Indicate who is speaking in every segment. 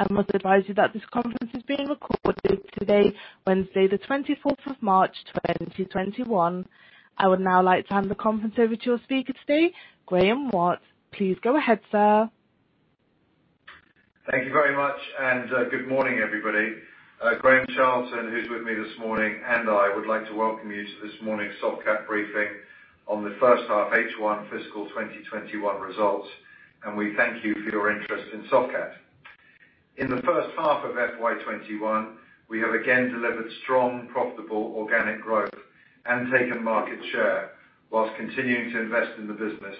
Speaker 1: I must advise you that this conference is being recorded today, Wednesday the 24th of March 2021. I would now like to hand the conference over to your speaker today, Graeme Watt. Please go ahead, sir.
Speaker 2: Thank you very much, and good morning, everybody. Graham Charlton, who's with me this morning, and I would like to welcome you to this morning's Softcat briefing on the first half H1 fiscal 2021 results. We thank you for your interest in Softcat. In the first half of FY21, we have again delivered strong, profitable organic growth and taken market share while continuing to invest in the business.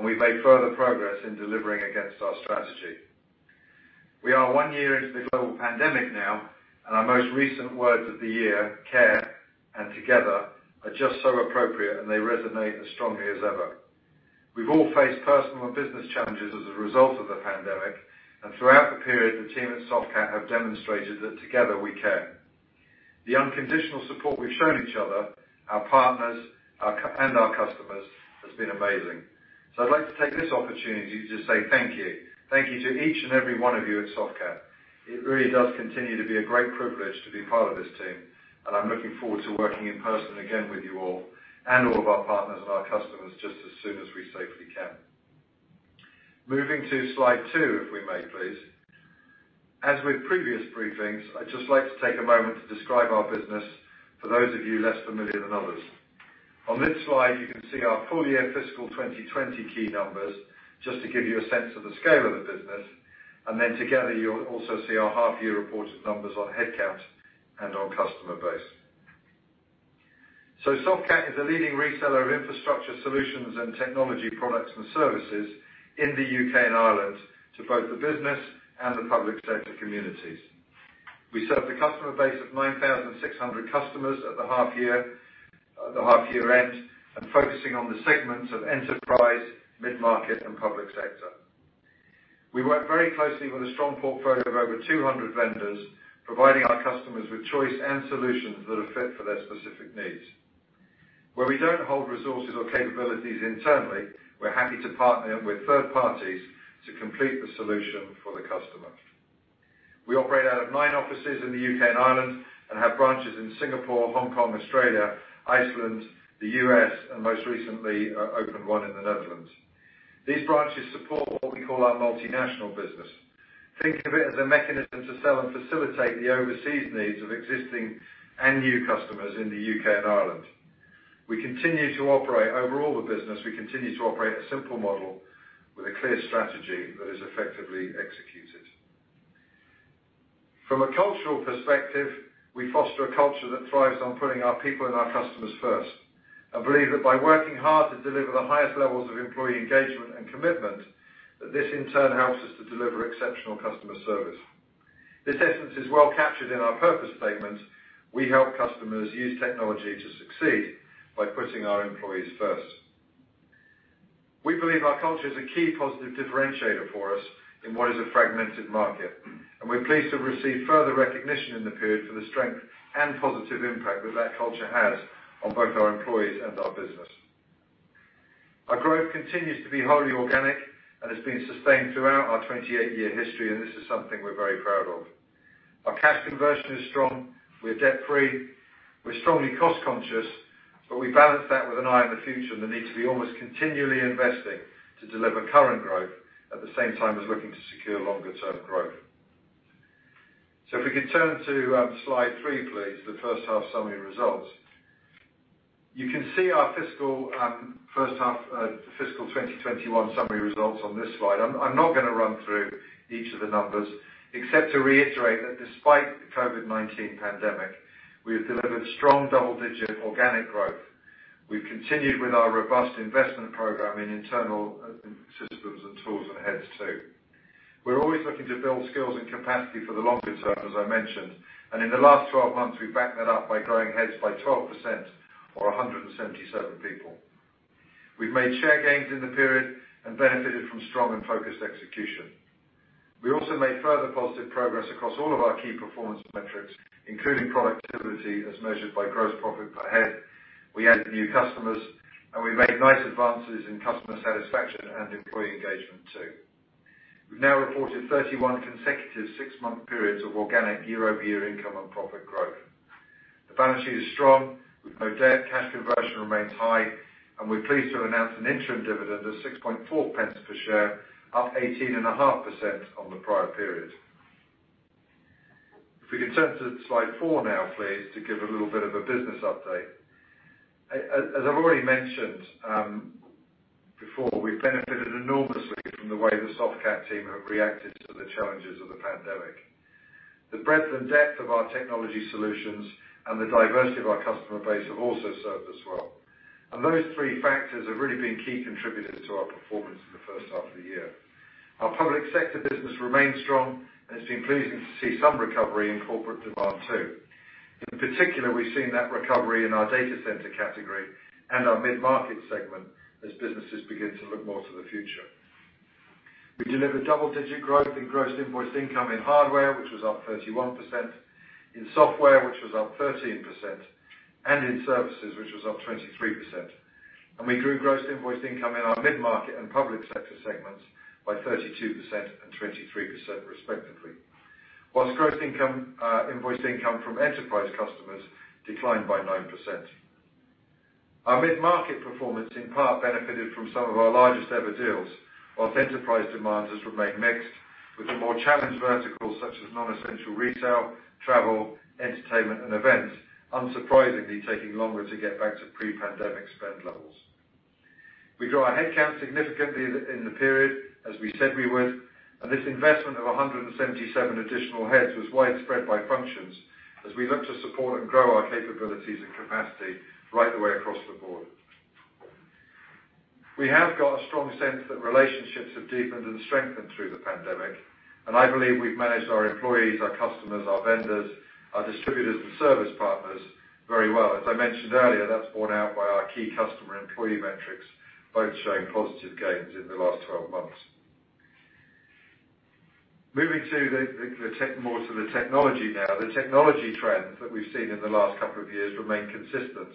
Speaker 2: We've made further progress in delivering against our strategy. We are one year into the global pandemic now. Our most recent words of the year, care and together, are just so appropriate. They resonate as strongly as ever. We've all faced personal and business challenges as a result of the pandemic. Throughout the period, the team at Softcat have demonstrated that together we care. The unconditional support we've shown each other, our partners, and our customers has been amazing. I'd like to take this opportunity to say thank you. Thank you to each and every one of you at Softcat. It really does continue to be a great privilege to be part of this team, and I'm looking forward to working in person again with you all and all of our partners and our customers just as soon as we safely can. Moving to slide two, if we may, please. As with previous briefings, I'd just like to take a moment to describe our business for those of you less familiar than others. On this slide, you can see our full-year fiscal 2020 key numbers, just to give you a sense of the scale of the business. Together, you'll also see our half-year reported numbers on headcount and on customer base. Softcat is a leading reseller of infrastructure solutions and technology products and services in the U.K. and Ireland to both the business and the public sector communities. We serve a customer base of 9,600 customers at the half year end and focusing on the segments of enterprise, mid-market, and public sector. We work very closely with a strong portfolio of over 200 vendors, providing our customers with choice and solutions that are fit for their specific needs. Where we don't hold resources or capabilities internally, we're happy to partner with third parties to complete the solution for the customer. We operate out of nine offices in the U.K. and Ireland and have branches in Singapore, Hong Kong, Australia, Ireland, the U.S., and most recently opened one in the Netherlands. These branches support what we call our multinational business. Think of it as a mechanism to sell and facilitate the overseas needs of existing and new customers in the U.K. and Ireland. We continue to operate, over all the business, we continue to operate a simple model with a clear strategy that is effectively executed. From a cultural perspective, we foster a culture that thrives on putting our people and our customers first and believe that by working hard to deliver the highest levels of employee engagement and commitment, that this in turn helps us to deliver exceptional customer service. This essence is well captured in our purpose statement: We help customers use technology to succeed by putting our employees first. We believe our culture is a key positive differentiator for us in what is a fragmented market. We're pleased to receive further recognition in the period for the strength and positive impact that culture has on both our employees and our business. Our growth continues to be wholly organic and has been sustained throughout our 28-year history. This is something we're very proud of. Our cash conversion is strong. We're debt free. We're strongly cost conscious. We balance that with an eye on the future and the need to be almost continually investing to deliver current growth at the same time as looking to secure longer-term growth. If we could turn to slide three, please. The first half summary results. You can see our first half fiscal 2021 summary results on this slide. I'm not going to run through each of the numbers except to reiterate that despite the COVID-19 pandemic, we have delivered strong double-digit organic growth. We've continued with our robust investment program in internal systems and tools and heads too. We're always looking to build skills and capacity for the longer term, as I mentioned, and in the last 12 months, we've backed that up by growing heads by 12% or 177 people. We've made share gains in the period and benefited from strong and focused execution. We also made further positive progress across all of our key performance metrics, including productivity as measured by gross profit per head. We added new customers, and we made nice advances in customer satisfaction and employee engagement, too. We've now reported 31 consecutive six-month periods of organic year-over-year income and profit growth. The balance sheet is strong with no debt. Cash conversion remains high. We're pleased to announce an interim dividend of 0.064 per share, up 18.5% on the prior period. If we can turn to slide four now, please, to give a little bit of a business update. As I've already mentioned before, we've benefited enormously from the way the Softcat team have reacted to the challenges of the pandemic. The breadth and depth of our technology solutions and the diversity of our customer base have also served us well. Those three factors have really been key contributors to our performance in the first half of the year. Our public sector business remains strong, and it's been pleasing to see some recovery in corporate demand, too. In particular, we've seen that recovery in our data center category and our mid-market segment as businesses begin to look more to the future. We delivered double-digit growth in gross invoiced income in hardware, which was up 31%, in software, which was up 13%, and in services, which was up 23%. We grew gross invoiced income in our mid-market and public sector segments by 32% and 23% respectively. Whilst gross invoiced income from enterprise customers declined by 9%. Our mid-market performance, in part, benefited from some of our largest ever deals, whilst enterprise demand has remained mixed, with the more challenged verticals such as non-essential retail, travel, entertainment, and events unsurprisingly taking longer to get back to pre-pandemic spend levels. We grew our headcount significantly in the period, as we said we would, and this investment of 177 additional heads was widespread by functions as we look to support and grow our capabilities and capacity right the way across the board. We have got a strong sense that relationships have deepened and strengthened through the pandemic, and I believe we've managed our employees, our customers, our vendors, our distributors, and service partners very well. As I mentioned earlier, that's borne out by our key customer employee metrics, both showing positive gains in the last 12 months. Moving more to the technology now. The technology trends that we've seen in the last couple of years remain consistent,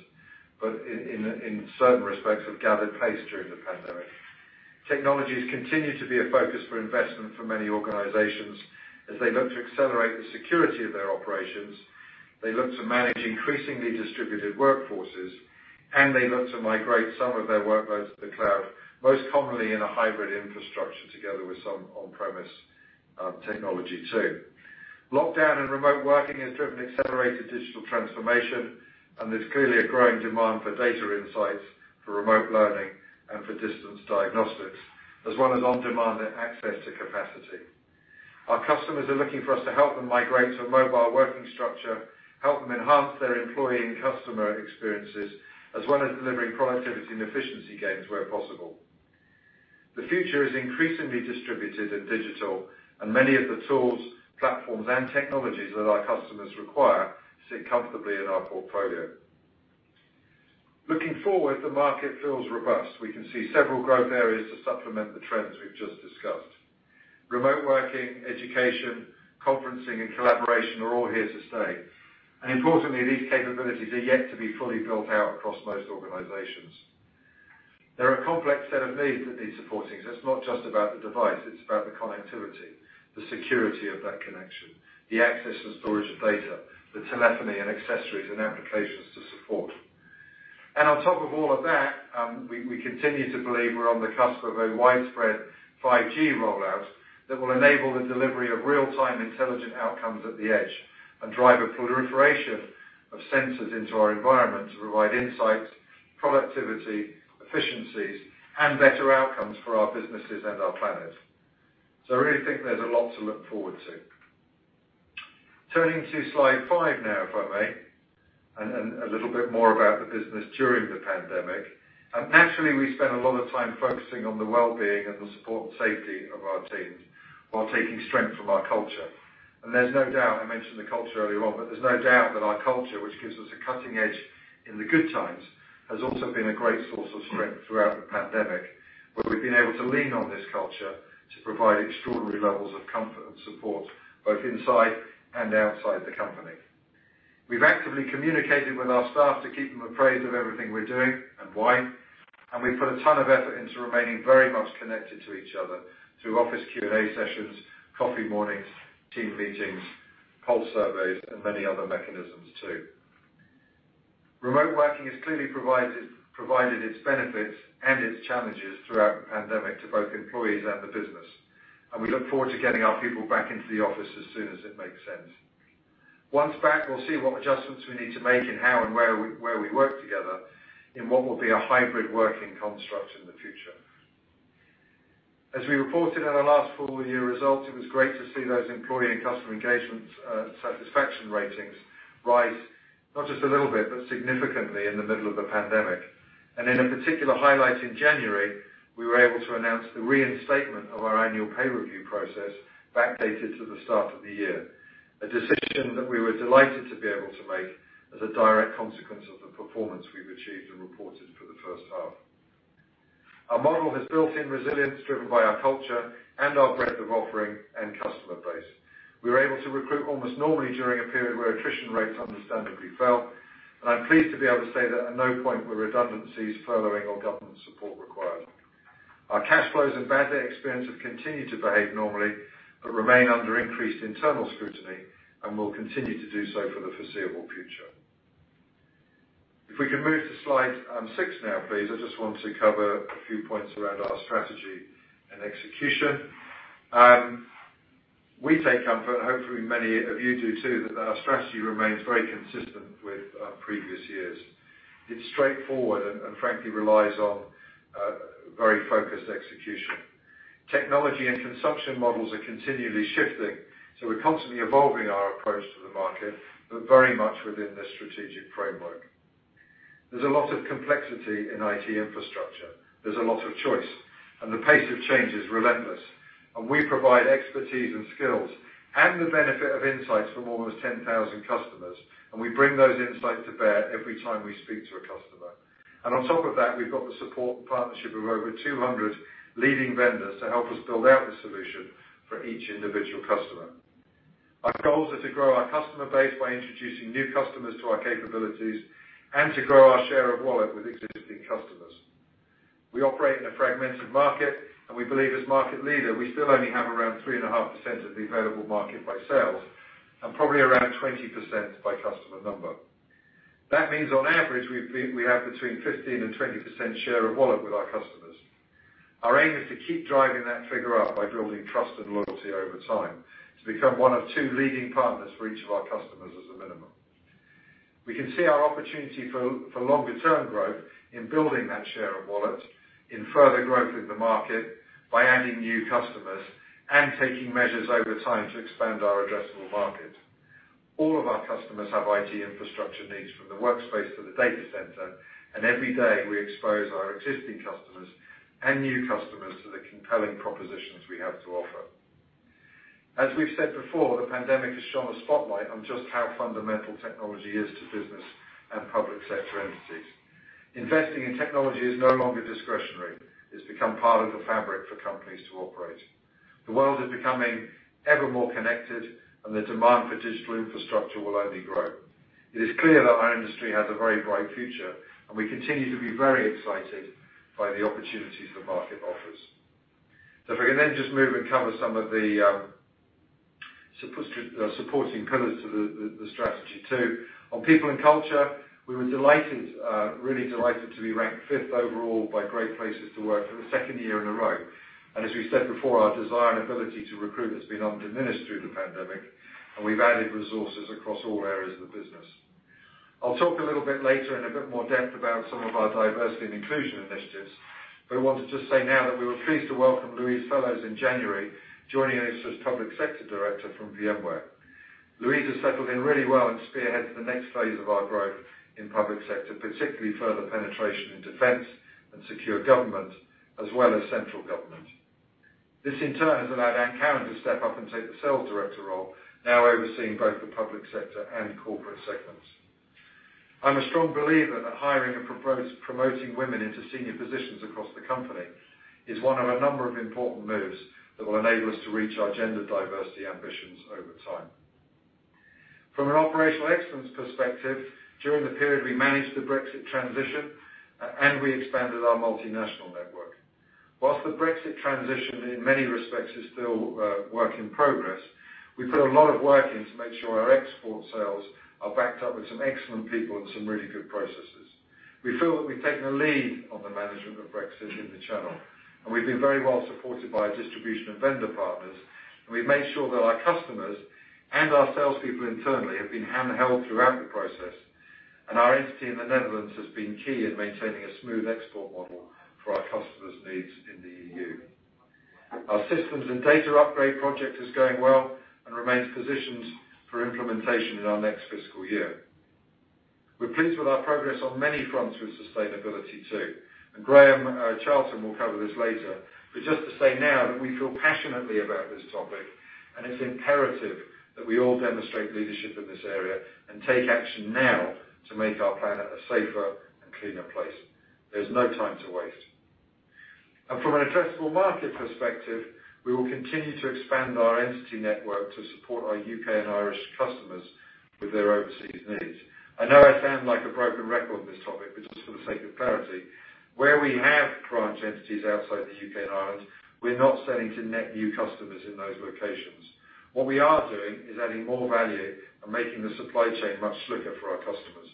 Speaker 2: but in certain respects have gathered pace during the pandemic. Technologies continue to be a focus for investment for many organizations as they look to accelerate the security of their operations, they look to manage increasingly distributed workforces, and they look to migrate some of their workloads to the cloud, most commonly in a hybrid infrastructure, together with some on-premise technology too. Lockdown and remote working has driven accelerated digital transformation. There's clearly a growing demand for data insights, for remote learning, and for distance diagnostics, as well as on-demand and access to capacity. Our customers are looking for us to help them migrate to a mobile working structure, help them enhance their employee and customer experiences, as well as delivering productivity and efficiency gains where possible. The future is increasingly distributed and digital. Many of the tools, platforms, and technologies that our customers require sit comfortably in our portfolio. Looking forward, the market feels robust. We can see several growth areas to supplement the trends we've just discussed. Remote working, education, conferencing, and collaboration are all here to stay. Importantly, these capabilities are yet to be fully built out across most organizations. There are a complex set of needs that need supporting, so it's not just about the device, it's about the connectivity, the security of that connection, the access and storage of data, the telephony and accessories and applications to support. On top of all of that, we continue to believe we're on the cusp of a widespread 5G rollout that will enable the delivery of real-time intelligent outcomes at the edge and drive a proliferation of sensors into our environment to provide insights, productivity, efficiencies, and better outcomes for our businesses and our planet. I really think there's a lot to look forward to. Turning to slide five now, if I may, and a little bit more about the business during the pandemic. Naturally, we spent a lot of time focusing on the well-being and the support and safety of our teams while taking strength from our culture. There's no doubt, I mentioned the culture earlier on, but there's no doubt that our culture, which gives us a cutting edge in the good times, has also been a great source of strength throughout the pandemic, where we've been able to lean on this culture to provide extraordinary levels of comfort and support, both inside and outside the company. We've actively communicated with our staff to keep them appraised of everything we're doing and why, and we've put a ton of effort into remaining very much connected to each other through office Q&A sessions, coffee mornings, team meetings, pulse surveys, and many other mechanisms too. Remote working has clearly provided its benefits and its challenges throughout the pandemic to both employees and the business, and we look forward to getting our people back into the office as soon as it makes sense. Once back, we'll see what adjustments we need to make in how and where we work together in what will be a hybrid working construct in the future. As we reported in our last full year results, it was great to see those employee and customer engagement satisfaction ratings rise, not just a little bit, but significantly in the middle of a pandemic. In a particular highlight in January, we were able to announce the reinstatement of our annual pay review process backdated to the start of the year. A decision that we were delighted to be able to make as a direct consequence of the performance we've achieved and reported for the first half. Our model has built-in resilience driven by our culture and our breadth of offering and customer base. We were able to recruit almost normally during a period where attrition rates understandably fell. I'm pleased to be able to say that at no point were redundancies, furloughing, or government support required. Our cash flows and bad debt experience have continued to behave normally. Remain under increased internal scrutiny, and will continue to do so for the foreseeable future. If we can move to slide six now, please. I just want to cover a few points around our strategy and execution. We take comfort, hopefully many of you do too, that our strategy remains very consistent with previous years. It's straightforward and frankly relies on very focused execution. Technology and consumption models are continually shifting. We're constantly evolving our approach to the market, very much within this strategic framework. There's a lot of complexity in IT infrastructure. There's a lot of choice. The pace of change is relentless. We provide expertise and skills and the benefit of insights from almost 10,000 customers. We bring those insights to bear every time we speak to a customer. On top of that, we've got the support and partnership of over 200 leading vendors to help us build out the solution for each individual customer. Our goals are to grow our customer base by introducing new customers to our capabilities and to grow our share of wallet with existing customers. We operate in a fragmented market. We believe as market leader, we still only have around 3.5% of the available market by sales, and probably around 20% by customer number. That means, on average, we have between 15% and 20% share of wallet with our customers. Our aim is to keep driving that figure up by building trust and loyalty over time, to become one of two leading partners for each of our customers as a minimum. We can see our opportunity for longer-term growth in building that share of wallet, in further growth in the market by adding new customers, and taking measures over time to expand our addressable market. All of our customers have IT infrastructure needs from the workspace to the data center, and every day we expose our existing customers and new customers to the compelling propositions we have to offer. As we've said before, the pandemic has shone a spotlight on just how fundamental technology is to business and public sector entities. Investing in technology is no longer discretionary. It's become part of the fabric for companies to operate. The world is becoming ever more connected, and the demand for digital infrastructure will only grow. It is clear that our industry has a very bright future, and we continue to be very excited by the opportunities the market offers. If I can just move and cover some of the supporting pillars to the strategy too. On people and culture, we were really delighted to be ranked fifth overall by Great Place To Work for the second year in a row. As we said before, our desire and ability to recruit has been undiminished through the pandemic, and we've added resources across all areas of the business. I'll talk a little bit later in a bit more depth about some of our diversity and inclusion initiatives. I want to just say now that we were pleased to welcome Louise Fellows in January, joining us as Public Sector Director from VMware. Louise has settled in really well and spearheads the next phase of our growth in Public Sector, particularly further penetration in Defense and Secure Government as well as Central Government. This in turn has allowed Ant Cowen to step up and take the Sales Director role, now overseeing both the Public Sector and Corporate segments. I'm a strong believer that hiring and promoting women into senior positions across the company is one of a number of important moves that will enable us to reach our gender diversity ambitions over time. From an operational excellence perspective, during the period we managed the Brexit transition, and we expanded our multinational network. Whilst the Brexit transition in many respects is still a work in progress, we put a lot of work in to make sure our export sales are backed up with some excellent people and some really good processes. We feel that we've taken a lead on the management of Brexit in the channel, and we've been very well supported by our distribution of vendor partners, and we've made sure that our customers and our salespeople internally have been hand-held throughout the process. Our entity in the Netherlands has been key in maintaining a smooth export model for our customers' needs in the EU. Our systems and data upgrade project is going well and remains positioned for implementation in our next fiscal year. We're pleased with our progress on many fronts with sustainability, too, and Graham Charlton will cover this later. Just to say now that we feel passionately about this topic, and it's imperative that we all demonstrate leadership in this area and take action now to make our planet a safer and cleaner place. There's no time to waste. From an addressable market perspective, we will continue to expand our entity network to support our U.K. and Irish customers with their overseas needs. I know I sound like a broken record on this topic, but just for the sake of clarity, where we have branch entities outside the U.K. and Ireland, we're not selling to net new customers in those locations. What we are doing is adding more value and making the supply chain much slicker for our customers.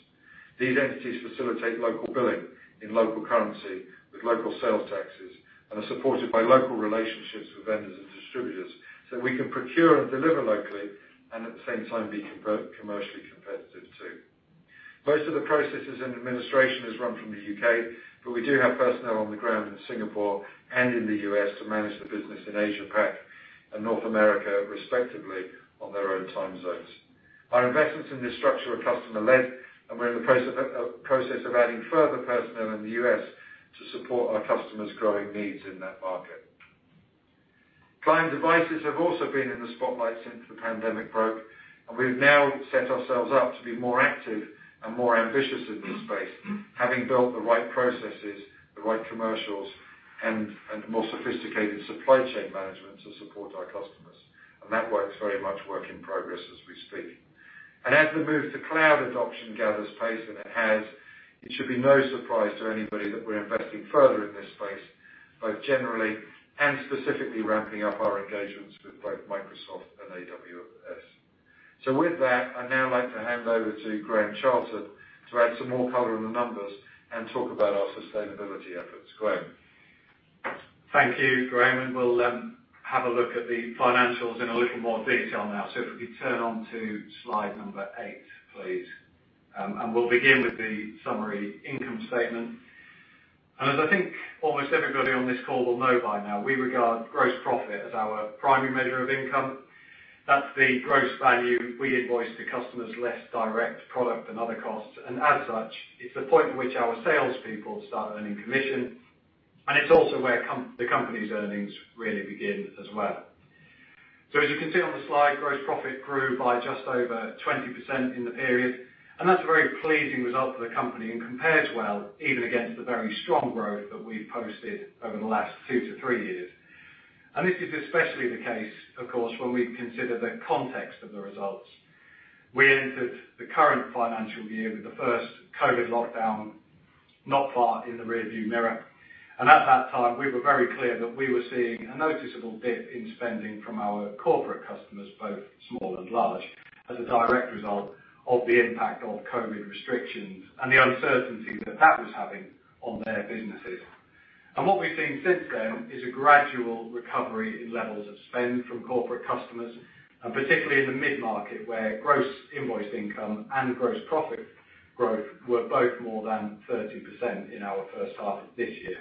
Speaker 2: These entities facilitate local billing in local currency with local sales taxes and are supported by local relationships with vendors and distributors, so we can procure and deliver locally and at the same time be commercially competitive too. Most of the processes and administration is run from the U.K., but we do have personnel on the ground in Singapore and in the U.S. to manage the business in Asia-Pac and North America, respectively, on their own time zones. Our investments in this structure are customer-led, and we're in the process of adding further personnel in the U.S. to support our customers' growing needs in that market. Client devices have also been in the spotlight since the pandemic broke, and we've now set ourselves up to be more active and more ambitious in this space, having built the right processes, the right commercials, and more sophisticated supply chain management to support our customers. That work's very much work in progress as we speak. As the move to cloud adoption gathers pace, and it has, it should be no surprise to anybody that we're investing further in this space, both generally and specifically ramping up our engagements with both Microsoft and AWS. With that, I'd now like to hand over to Graham Charlton to add some more color on the numbers and talk about our sustainability efforts. Graham.
Speaker 3: Thank you, Graeme. We'll have a look at the financials in a little more detail now. If we could turn on to slide number eight, please. We'll begin with the summary income statement. As I think almost everybody on this call will know by now, we regard gross profit as our primary measure of income. That's the gross value we invoice to customers less direct product and other costs. As such, it's the point at which our salespeople start earning commission, and it's also where the company's earnings really begin as well. As you can see on the slide, gross profit grew by just over 20% in the period, and that's a very pleasing result for the company and compares well even against the very strong growth that we've posted over the last two to three years. This is especially the case, of course, when we consider the context of the results. We entered the current financial year with the first COVID-19 lockdown not far in the rearview mirror, and at that time, we were very clear that we were seeing a noticeable dip in spending from our corporate customers, both small and large, as a direct result of the impact of COVID-19 restrictions and the uncertainty that that was having on their businesses. What we've seen since then is a gradual recovery in levels of spend from corporate customers, particularly in the mid-market, where gross invoice income and gross profit growth were both more than 30% in our first half of this year.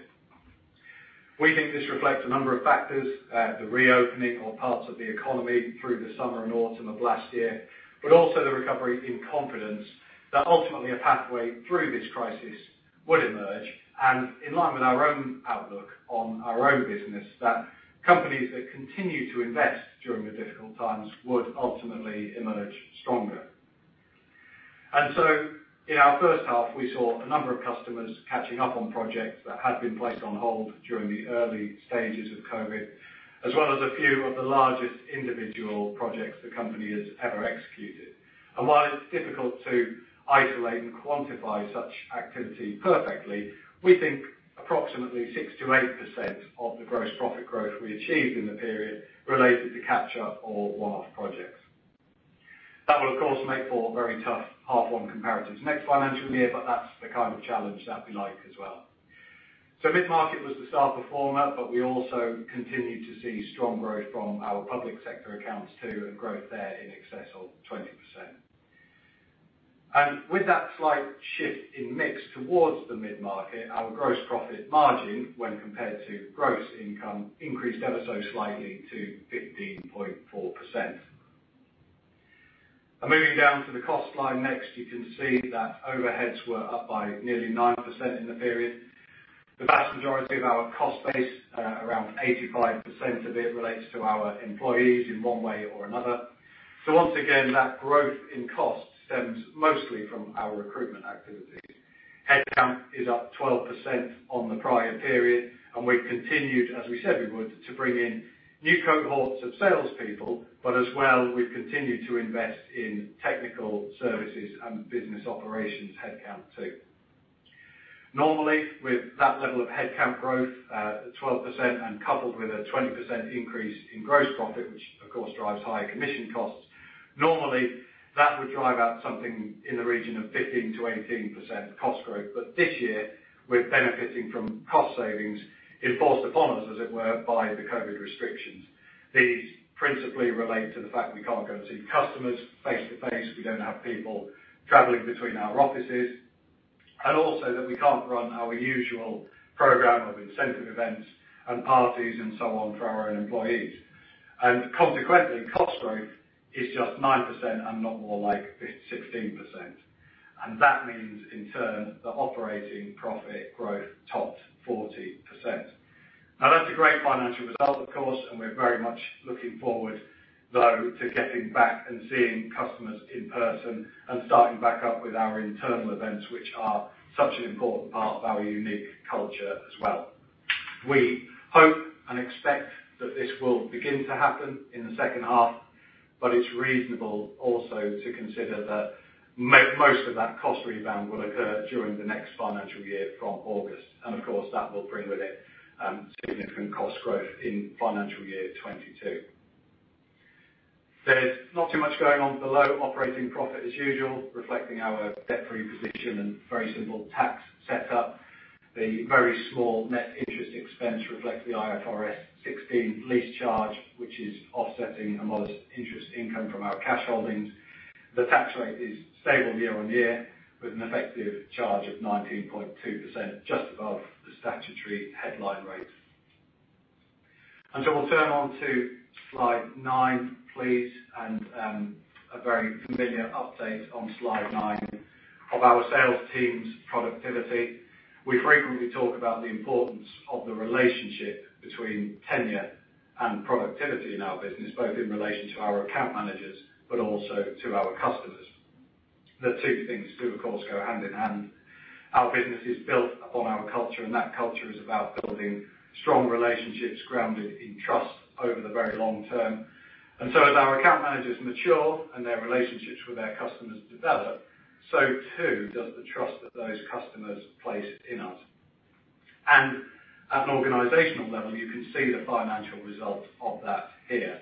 Speaker 3: We think this reflects a number of factors, the reopening of parts of the economy through the summer and autumn of last year, but also the recovery in confidence that ultimately a pathway through this crisis would emerge, and in line with our own outlook on our own business, that companies that continue to invest during the difficult times would ultimately emerge stronger. In our first half, we saw a number of customers catching up on projects that had been placed on hold during the early stages of COVID-19, as well as a few of the largest individual projects the company has ever executed. While it's difficult to isolate and quantify such activity perfectly, we think approximately 6%-8% of the gross profit growth we achieved in the period related to catch-up or one-off projects. That will, of course, make for very tough H1 comparatives next financial year, but that's the kind of challenge that we like as well. Mid-market was the star performer, but we also continued to see strong growth from our public sector accounts too, and growth there in excess of 20%. With that slight shift in mix towards the mid-market, our gross profit margin, when compared to gross income, increased ever so slightly to 15.4%. Moving down to the cost line next, you can see that overheads were up by nearly 9% in the period. The vast majority of our cost base, around 85% of it, relates to our employees in one way or another. Once again, that growth in cost stems mostly from our recruitment activity. Headcount is up 12% on the prior period, and we've continued, as we said we would, to bring in new cohorts of salespeople, but as well, we've continued to invest in technical services and business operations headcount too. Normally, with that level of headcount growth, at 12%, and coupled with a 20% increase in gross profit, which of course drives higher commission costs, normally that would drive out something in the region of 15%-18% cost growth. This year, we're benefiting from cost savings enforced upon us, as it were, by the COVID-19 restrictions. These principally relate to the fact we can't go and see customers face to face, we don't have people traveling between our offices, and also that we can't run our usual program of incentive events and parties and so on for our own employees. Consequently, cost growth is just 9% and not more like 16%. That means, in turn, the operating profit growth topped 40%. Now, that's a great financial result, of course, and we're very much looking forward, though, to getting back and seeing customers in person and starting back up with our internal events, which are such an important part of our unique culture as well. We hope and expect that this will begin to happen in the second half, but it's reasonable also to consider that most of that cost rebound will occur during the next financial year from August. Of course, that will bring with it significant cost growth in financial year 2022. There's not too much going on below operating profit as usual, reflecting our debt-free position and very simple tax set up. The very small net interest expense reflects the IFRS 16 lease charge, which is offsetting a modest interest income from our cash holdings. The tax rate is stable year-on-year with an effective charge of 19.2%, just above the statutory headline rate. We'll turn on to slide nine, please, and a very familiar update on slide nine of our sales team's productivity. We frequently talk about the importance of the relationship between tenure and productivity in our business, both in relation to our account managers, but also to our customers. The two things do of course go hand in hand. Our business is built upon our culture. That culture is about building strong relationships grounded in trust over the very long term. As our account managers mature and their relationships with their customers develop, so too does the trust that those customers place in us. At an organizational level, you can see the financial result of that here.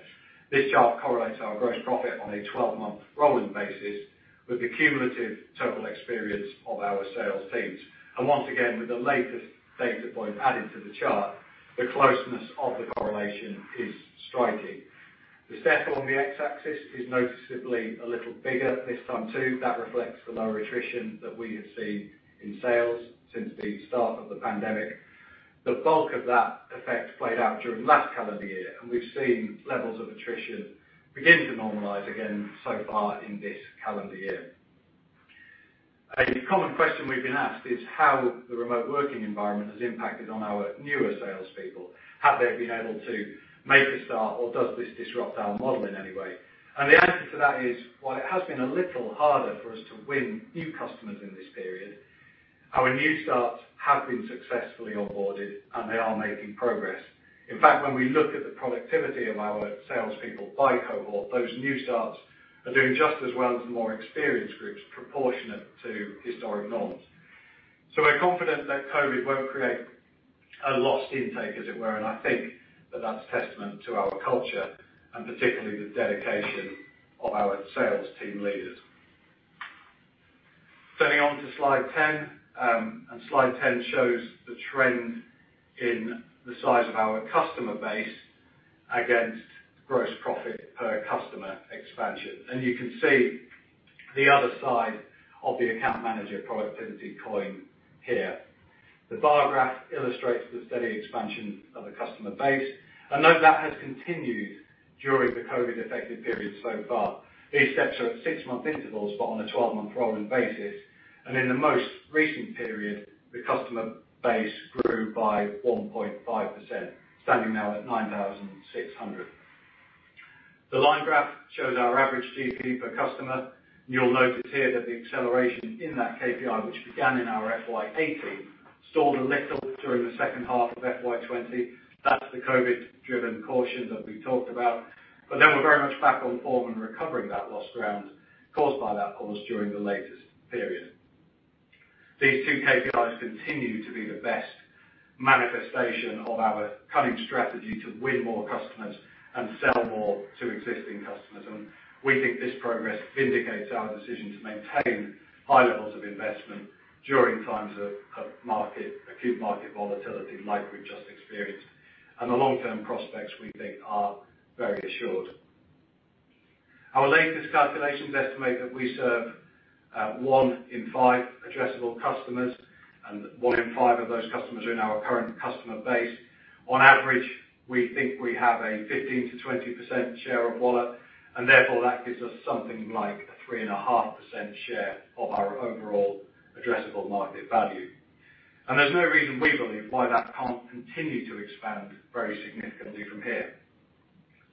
Speaker 3: This chart correlates our gross profit on a 12-month rolling basis with the cumulative total experience of our sales teams. Once again, with the latest data point added to the chart, the closeness of the correlation is striking. The step on the X-axis is noticeably a little bigger this time too. That reflects the lower attrition that we have seen in sales since the start of the pandemic. The bulk of that effect played out during last calendar year, and we've seen levels of attrition begin to normalize again so far in this calendar year. A common question we've been asked is how the remote working environment has impacted on our newer salespeople. Have they been able to make a start, or does this disrupt our model in any way? The answer to that is, while it has been a little harder for us to win new customers in this period, our new starts have been successfully onboarded, and they are making progress. In fact, when we look at the productivity of our salespeople by cohort, those new starts are doing just as well as the more experienced groups proportionate to historic norms. We're confident that COVID won't create a lost intake, as it were, and I think that that's testament to our culture and particularly the dedication of our sales team leaders. Turning on to slide 10, and slide 10 shows the trend in the size of our customer base against gross profit per customer expansion. You can see the other side of the account manager productivity coin here. The bar graph illustrates the steady expansion of the customer base, and note that has continued during the COVID affected periods so far. These sets are at six-month intervals, but on a 12-month rolling basis. In the most recent period, the customer base grew by 1.5%, standing now at 9,600. The line graph shows our average GP per customer. You'll notice here that the acceleration in that KPI, which began in our FY 2018, stalled a little during the second half of FY 2020. That's the COVID-driven caution that we talked about. We're very much back on form and recovering that lost ground caused by that pause during the latest period. These two KPIs continue to be the best manifestation of our cunning strategy to win more customers and sell more to existing customers. We think this progress vindicates our decision to maintain high levels of investment during times of acute market volatility like we've just experienced. The long-term prospects, we think, are very assured. Our latest calculations estimate that we serve one in five addressable customers, and one in five of those customers are in our current customer base. On average, we think we have a 15%-20% share of wallet. Therefore, that gives us something like a 3.5% share of our overall addressable market value. There's no reason we believe why that can't continue to expand very significantly from here.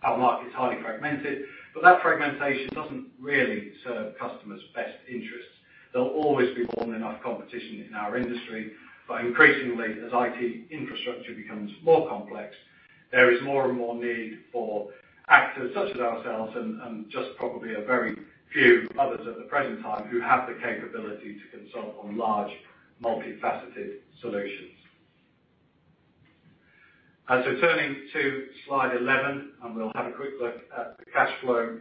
Speaker 3: Our market is highly fragmented. That fragmentation doesn't really serve customers' best interests. There'll always be more than enough competition in our industry. Increasingly, as IT infrastructure becomes more complex, there is more and more need for actors such as ourselves and just probably a very few others at the present time who have the capability to consult on large, multifaceted solutions. Turning to slide 11, we'll have a quick look at the cash flow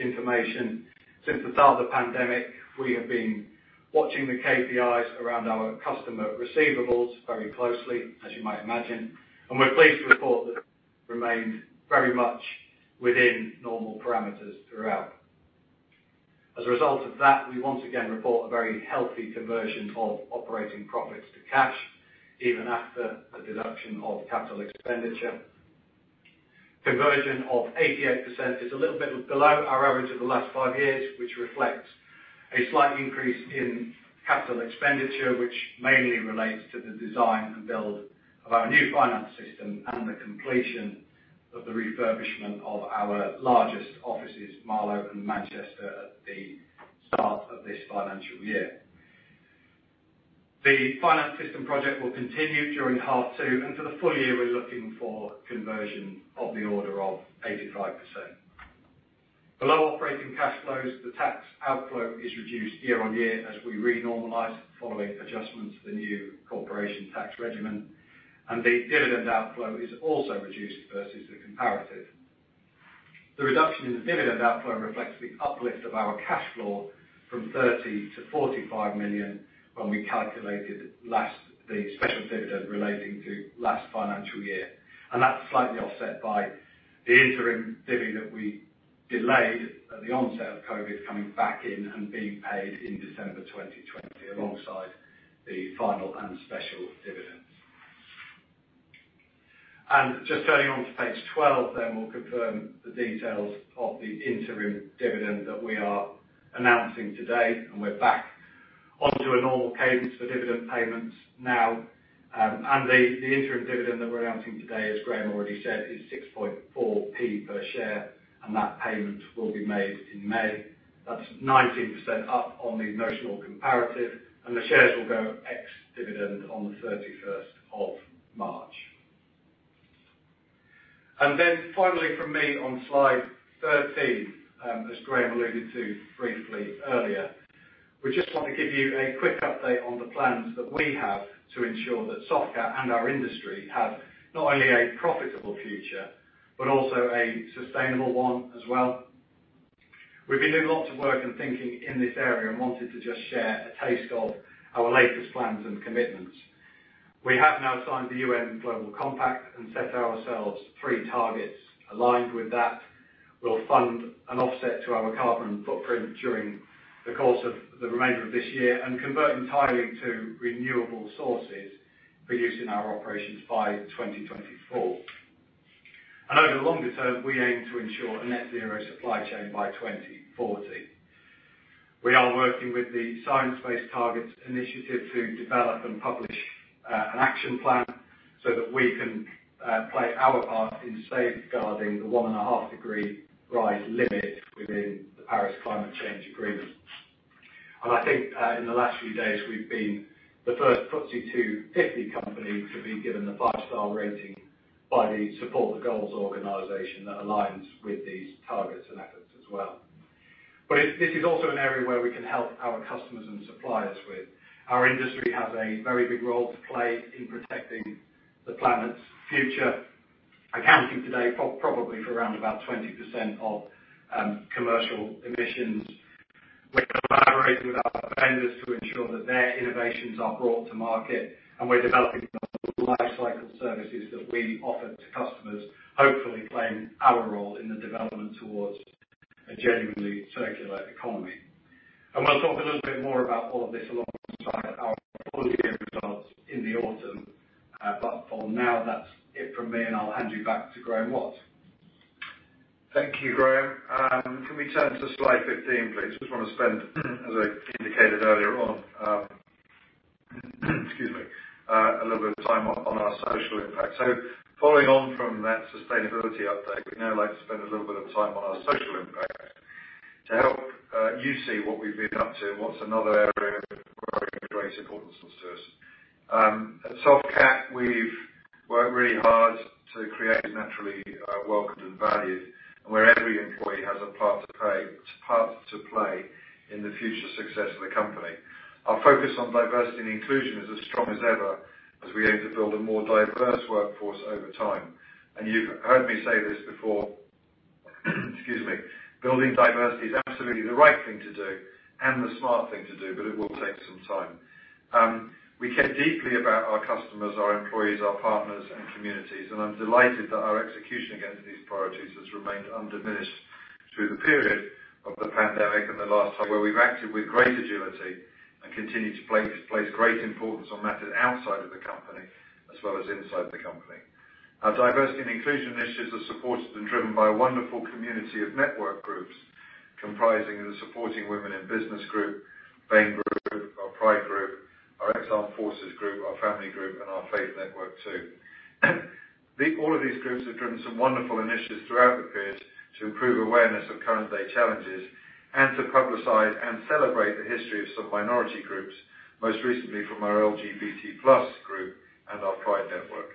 Speaker 3: information. Since the start of the pandemic, we have been watching the KPIs around our customer receivables very closely, as you might imagine, and we're pleased to report that it remained very much within normal parameters throughout. As a result of that, we once again report a very healthy conversion of operating profits to cash, even after the deduction of capital expenditure. Conversion of 88% is a little bit below our average of the last five years, which reflects a slight increase in capital expenditure, which mainly relates to the design and build of our new finance system and the completion of the refurbishment of our largest offices, Marlow and Manchester, at the start of this financial year. The finance system project will continue during half two, and for the full year, we're looking for conversion of the order of 85%. Below operating cash flows, the tax outflow is reduced year-on-year as we re-normalize following adjustments to the new corporation tax regimen, the dividend outflow is also reduced versus the comparative. The reduction in the dividend outflow reflects the uplift of our cash flow from 30 million-45 million when we calculated the special dividend relating to last financial year. That's slightly offset by the interim dividend we delayed at the onset of COVID-19 coming back in and being paid in December 2020 alongside the final and special dividends. Just turning on to page 12 then, we'll confirm the details of the interim dividend that we are announcing today, we're back onto a normal cadence for dividend payments now. The interim dividend that we're announcing today, as Graeme already said, is 0.064 per share, that payment will be made in May. That's 19% up on the notional comparative. The shares will go ex-dividend on the 31st of March. Finally from me on slide 13, as Graeme alluded to briefly earlier, we just want to give you a quick update on the plans that we have to ensure that Softcat and our industry have not only a profitable future but also a sustainable one as well. We've been doing lots of work and thinking in this area and wanted to just share a taste of our latest plans and commitments. We have now signed the UN Global Compact and set ourselves three targets. Aligned with that, we'll fund an offset to our carbon footprint during the course of the remainder of this year and convert entirely to renewable sources for use in our operations by 2024. Over the longer term, we aim to ensure a net zero supply chain by 2040. We are working with the Science Based Targets initiative to develop and publish an action plan so that we can play our part in safeguarding the one and a half degree rise limit within the Paris Climate Change Agreement. I think in the last few days, we've been the first FTSE 250 company to be given the five-star rating by the Support the Goals organization that aligns with these targets and efforts as well. This is also an area where we can help our customers and suppliers with. Our industry has a very big role to play in protecting the planet's future, accounting today, probably for around about 20% of commercial emissions. We're collaborating with our vendors to ensure that their innovations are brought to market, and we're developing lifecycle services that we offer to customers, hopefully playing our role in the development towards a genuinely circular economy. We'll talk a little bit more about all of this alongside our full year results in the autumn. For now, that's it from me, and I'll hand you back to Graeme Watt.
Speaker 2: Thank you, Graham. Can we turn to slide 15, please? Just want to spend as I indicated earlier on, excuse me, a little bit of time on our social impact. Following on from that sustainability update, we'd now like to spend a little bit of time on our social impact to help you see what we've been up to and what's another area of great importance to us. At Softcat, we've worked really hard to create a naturally welcomed and valued and where every employee has a part to play in the future success of the company. Our focus on diversity and inclusion is as strong as ever as we aim to build a more diverse workforce over time. You've heard me say this before, excuse me, building diversity is absolutely the right thing to do and the smart thing to do, but it will take some time. We care deeply about our customers, our employees, our partners, and communities, and I'm delighted that our execution against these priorities has remained undiminished through the period of the pandemic and the last time where we've acted with great agility and continue to place great importance on matters outside of the company as well as inside the company. Our diversity and inclusion initiatives are supported and driven by a wonderful community of network groups comprising of the Supporting Women in Business Group, BAME Group, our Pride Group, our Ex-Armed Forces Group, our Family Group, and our Faith Network too. All of these groups have driven some wonderful initiatives throughout the period to improve awareness of current day challenges and to publicize and celebrate the history of some minority groups, most recently from our LGBT+ Group and our Pride Network.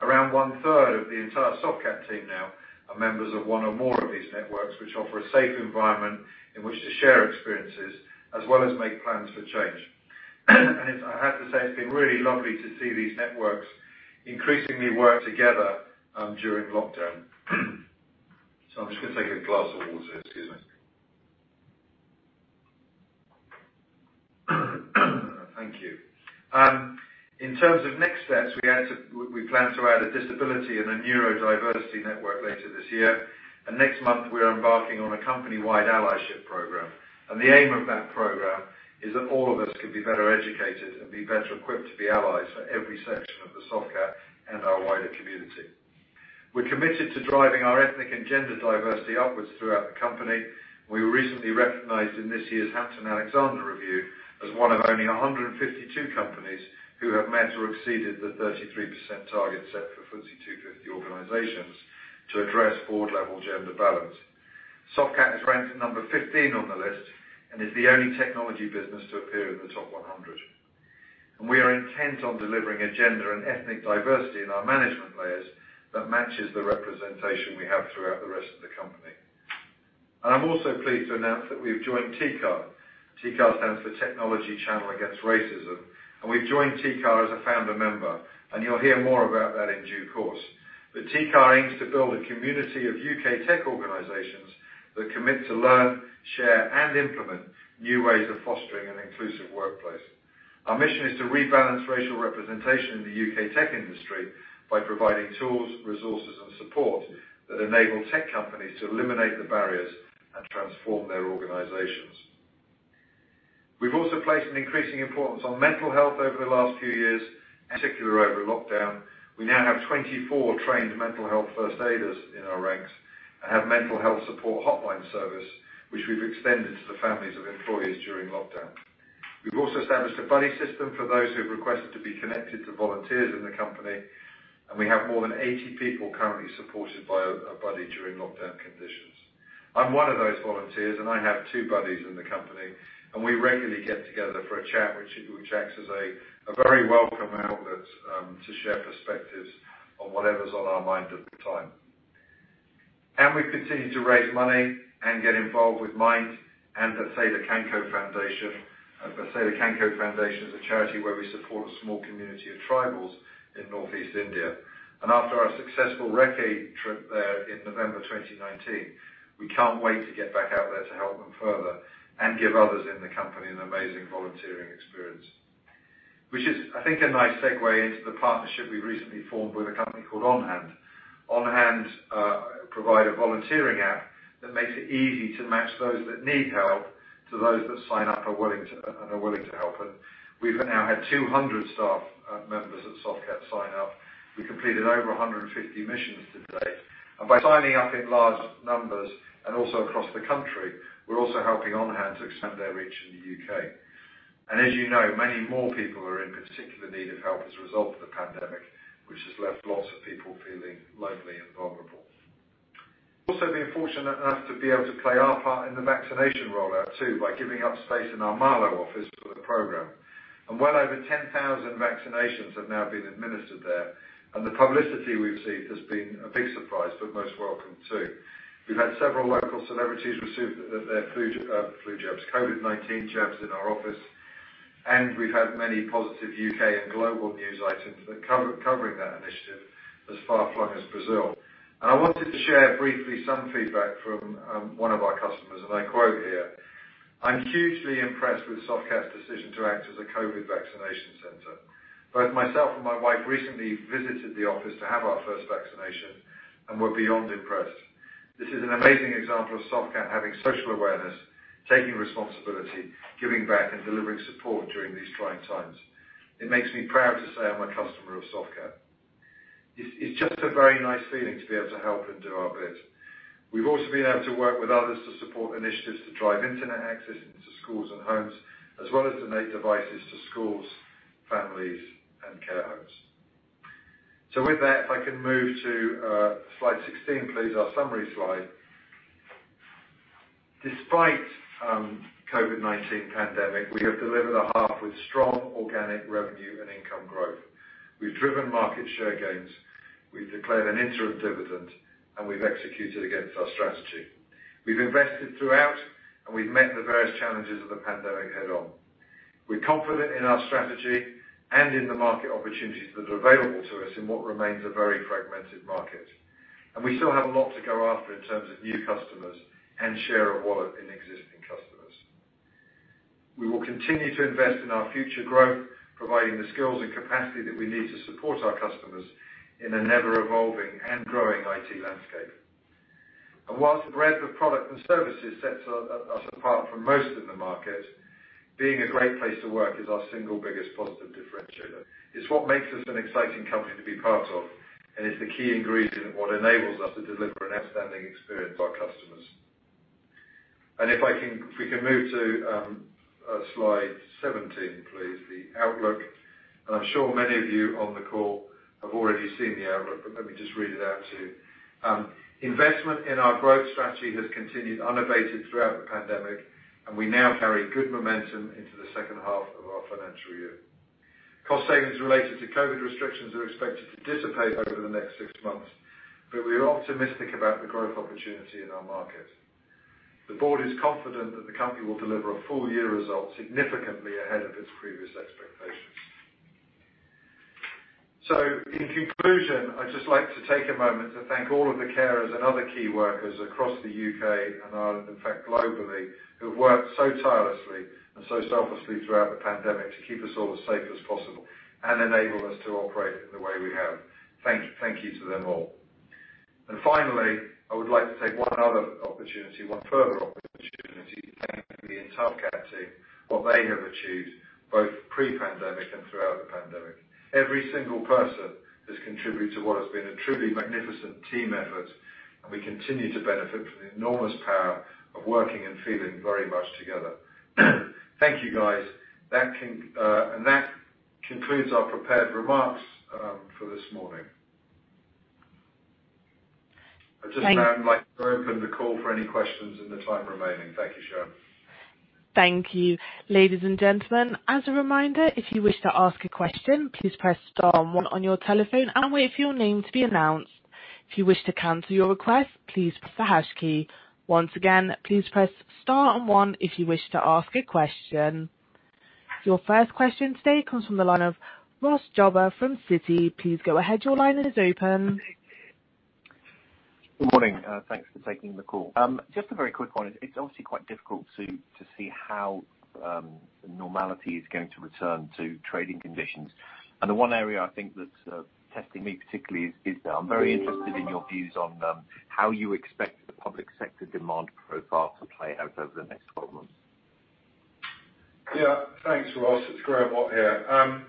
Speaker 2: Around one-third of the entire Softcat team now are members of one or more of these networks, which offer a safe environment in which to share experiences as well as make plans for change. I have to say, it's been really lovely to see these networks increasingly work together during lockdown. I'm just going to take a glass of water. Excuse me. Thank you. In terms of next steps, we plan to add a disability and a neurodiversity network later this year. Next month, we are embarking on a company-wide allyship program. The aim of that program is that all of us can be better educated and be better equipped to be allies for every section of Softcat and our wider community. We're committed to driving our ethnic and gender diversity upwards throughout the company. We were recently recognized in this year's Hampton-Alexander Review as one of only 152 companies who have met or exceeded the 33% target set for FTSE 250 organizations to address board-level gender balance. Softcat is ranked number 15 on the list and is the only technology business to appear in the top 100. We are intent on delivering a gender and ethnic diversity in our management layers that matches the representation we have throughout the rest of the company. I'm also pleased to announce that we've joined TCAR. TCAR stands for Technology Channel Against Racism, and we've joined TCAR as a founder member, and you'll hear more about that in due course. TCAR aims to build a community of U.K. tech organizations that commit to learn, share, and implement new ways of fostering an inclusive workplace. Our mission is to rebalance racial representation in the U.K. tech industry by providing tools, resources, and support that enable tech companies to eliminate the barriers and transform their organizations. We've also placed an increasing importance on mental health over the last few years, in particular over lockdown. We now have 24 trained mental health first aiders in our ranks and have mental health support hotline service, which we've extended to the families of employees during lockdown. We've also established a buddy system for those who've requested to be connected to volunteers in the company, and we have more than 80 people currently supported by a buddy during lockdown conditions. I'm one of those volunteers, and I have two buddies in the company, and we regularly get together for a chat, which acts as a very welcome outlet to share perspectives on whatever's on our mind at the time. We continue to raise money and get involved with Mind and the [Sedercanco] Foundation. The [Sedercanco] Foundation is a charity where we support a small community of tribals in Northeast India. After our successful recce trip there in November 2019, we can't wait to get back out there to help them further and give others in the company an amazing volunteering experience. Which is, I think, a nice segue into the partnership we've recently formed with a company called OnHand. OnHand provide a volunteering app that makes it easy to match those that need help to those that sign up and are willing to help. We've now had 200 staff members at Softcat sign up. We completed over 150 missions to date. By signing up in large numbers and also across the country, we're also helping OnHand to expand their reach in the U.K. As you know, many more people are in particular need of help as a result of the pandemic, which has left lots of people feeling lonely and vulnerable. We've also been fortunate enough to be able to play our part in the vaccination rollout too, by giving up space in our Marlow office for the program. Well over 10,000 vaccinations have now been administered there. The publicity we've received has been a big surprise, but most welcome too. We've had several local celebrities receive their COVID-19 jabs in our office, and we've had many positive U.K. and global news items covering that initiative as far flung as Brazil. I wanted to share briefly some feedback from one of our customers, and I quote here, "I'm hugely impressed with Softcat's decision to act as a COVID vaccination center. Both myself and my wife recently visited the office to have our first vaccination and were beyond impressed. This is an amazing example of Softcat having social awareness, taking responsibility, giving back, and delivering support during these trying times. It makes me proud to say I'm a customer of Softcat." It's just a very nice feeling to be able to help and do our bit. We've also been able to work with others to support initiatives to drive internet access into schools and homes, as well as donate devices to schools, families, and care homes. With that, if I can move to slide 16, please, our summary slide. Despite COVID-19 pandemic, we have delivered a half with strong organic revenue and income growth. We've driven market share gains. We've declared an interim dividend, and we've executed against our strategy. We've invested throughout, and we've met the various challenges of the pandemic head on. We're confident in our strategy and in the market opportunities that are available to us in what remains a very fragmented market. We still have a lot to go after in terms of new customers and share of wallet in existing customers. We will continue to invest in our future growth, providing the skills and capacity that we need to support our customers in an ever-evolving and growing IT landscape. Whilst the breadth of product and services sets us apart from most in the market, being a Great Place To Work is our single biggest positive differentiator. It's what makes us an exciting company to be part of, and it's the key ingredient of what enables us to deliver an outstanding experience to our customers. If we can move to slide 17, please, the outlook. I'm sure many of you on the call have already seen the outlook, but let me just read it out to you. Investment in our growth strategy has continued unabated throughout the pandemic, and we now carry good momentum into the second half of our financial year. Cost savings related to COVID restrictions are expected to dissipate over the next six months, but we are optimistic about the growth opportunity in our market. The board is confident that the company will deliver a full-year result significantly ahead of its previous expectations. In conclusion, I'd just like to take a moment to thank all of the carers and other key workers across the U.K. and Ireland, in fact, globally, who have worked so tirelessly and so selflessly throughout the pandemic to keep us all as safe as possible and enable us to operate in the way we have. Thank you to them all. Finally, I would like to take one other opportunity, one further opportunity to thank the entire Softcat team, what they have achieved, both pre-pandemic and throughout the pandemic. Every single person has contributed to what has been a truly magnificent team effort, and we continue to benefit from the enormous power of working and feeling very much together. Thank you, guys. That concludes our prepared remarks for this morning.
Speaker 1: Thanks.
Speaker 2: I'd just now like to open the call for any questions in the time remaining. Thank you, Sharon.
Speaker 1: Thank you. Ladies and gentlemen, as a reminder, if you wish to ask a question, please press star and one on your telephone and wait for your name to be announced. If you wish to cancel your request, please press the hash key. Once again, please press star and one if you wish to ask a question. Your first question today comes from the line of Ross Jobber from Citi. Please go ahead. Your line is open.
Speaker 4: Good morning. Thanks for taking the call. Just a very quick one. It is obviously quite difficult to see how normality is going to return to trading conditions. The one area I think that is testing me particularly is this. I am very interested in your views on how you expect the public sector demand profile to play out over the next 12 months.
Speaker 2: Yeah. Thanks, Ross. It's Graeme Watt here.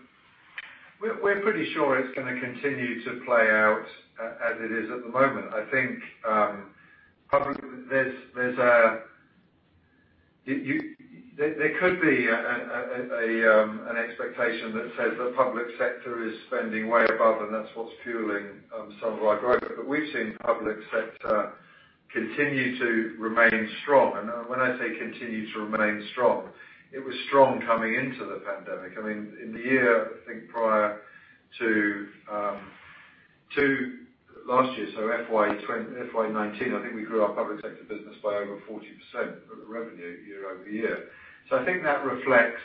Speaker 2: We're pretty sure it's going to continue to play out as it is at the moment. I think there could be an expectation that says the public sector is spending way above and that's what's fueling some of our growth. We've seen public sector continue to remain strong. When I say continue to remain strong, it was strong coming into the pandemic. In the year, I think, prior to last year, FY 2019, I think we grew our public sector business by over 40% of revenue year-over-year. I think that reflects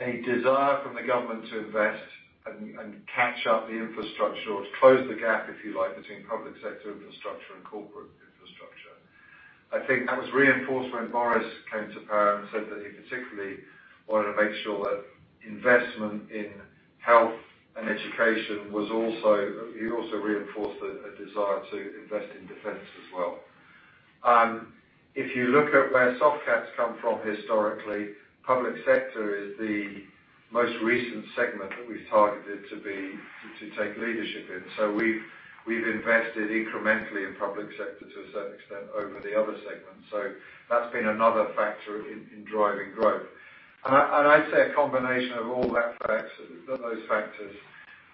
Speaker 2: a desire from the government to invest and catch up the infrastructure or to close the gap, if you like, between public sector infrastructure and corporate infrastructure. I think that was reinforced when Boris came to power and said that he particularly wanted to make sure that investment in health and education. He also reinforced a desire to invest in defense as well. If you look at where Softcat's come from historically, public sector is the Most recent segment that we've targeted to take leadership in. We've invested incrementally in public sector to a certain extent over the other segments. That's been another factor in driving growth. I'd say a combination of all those factors,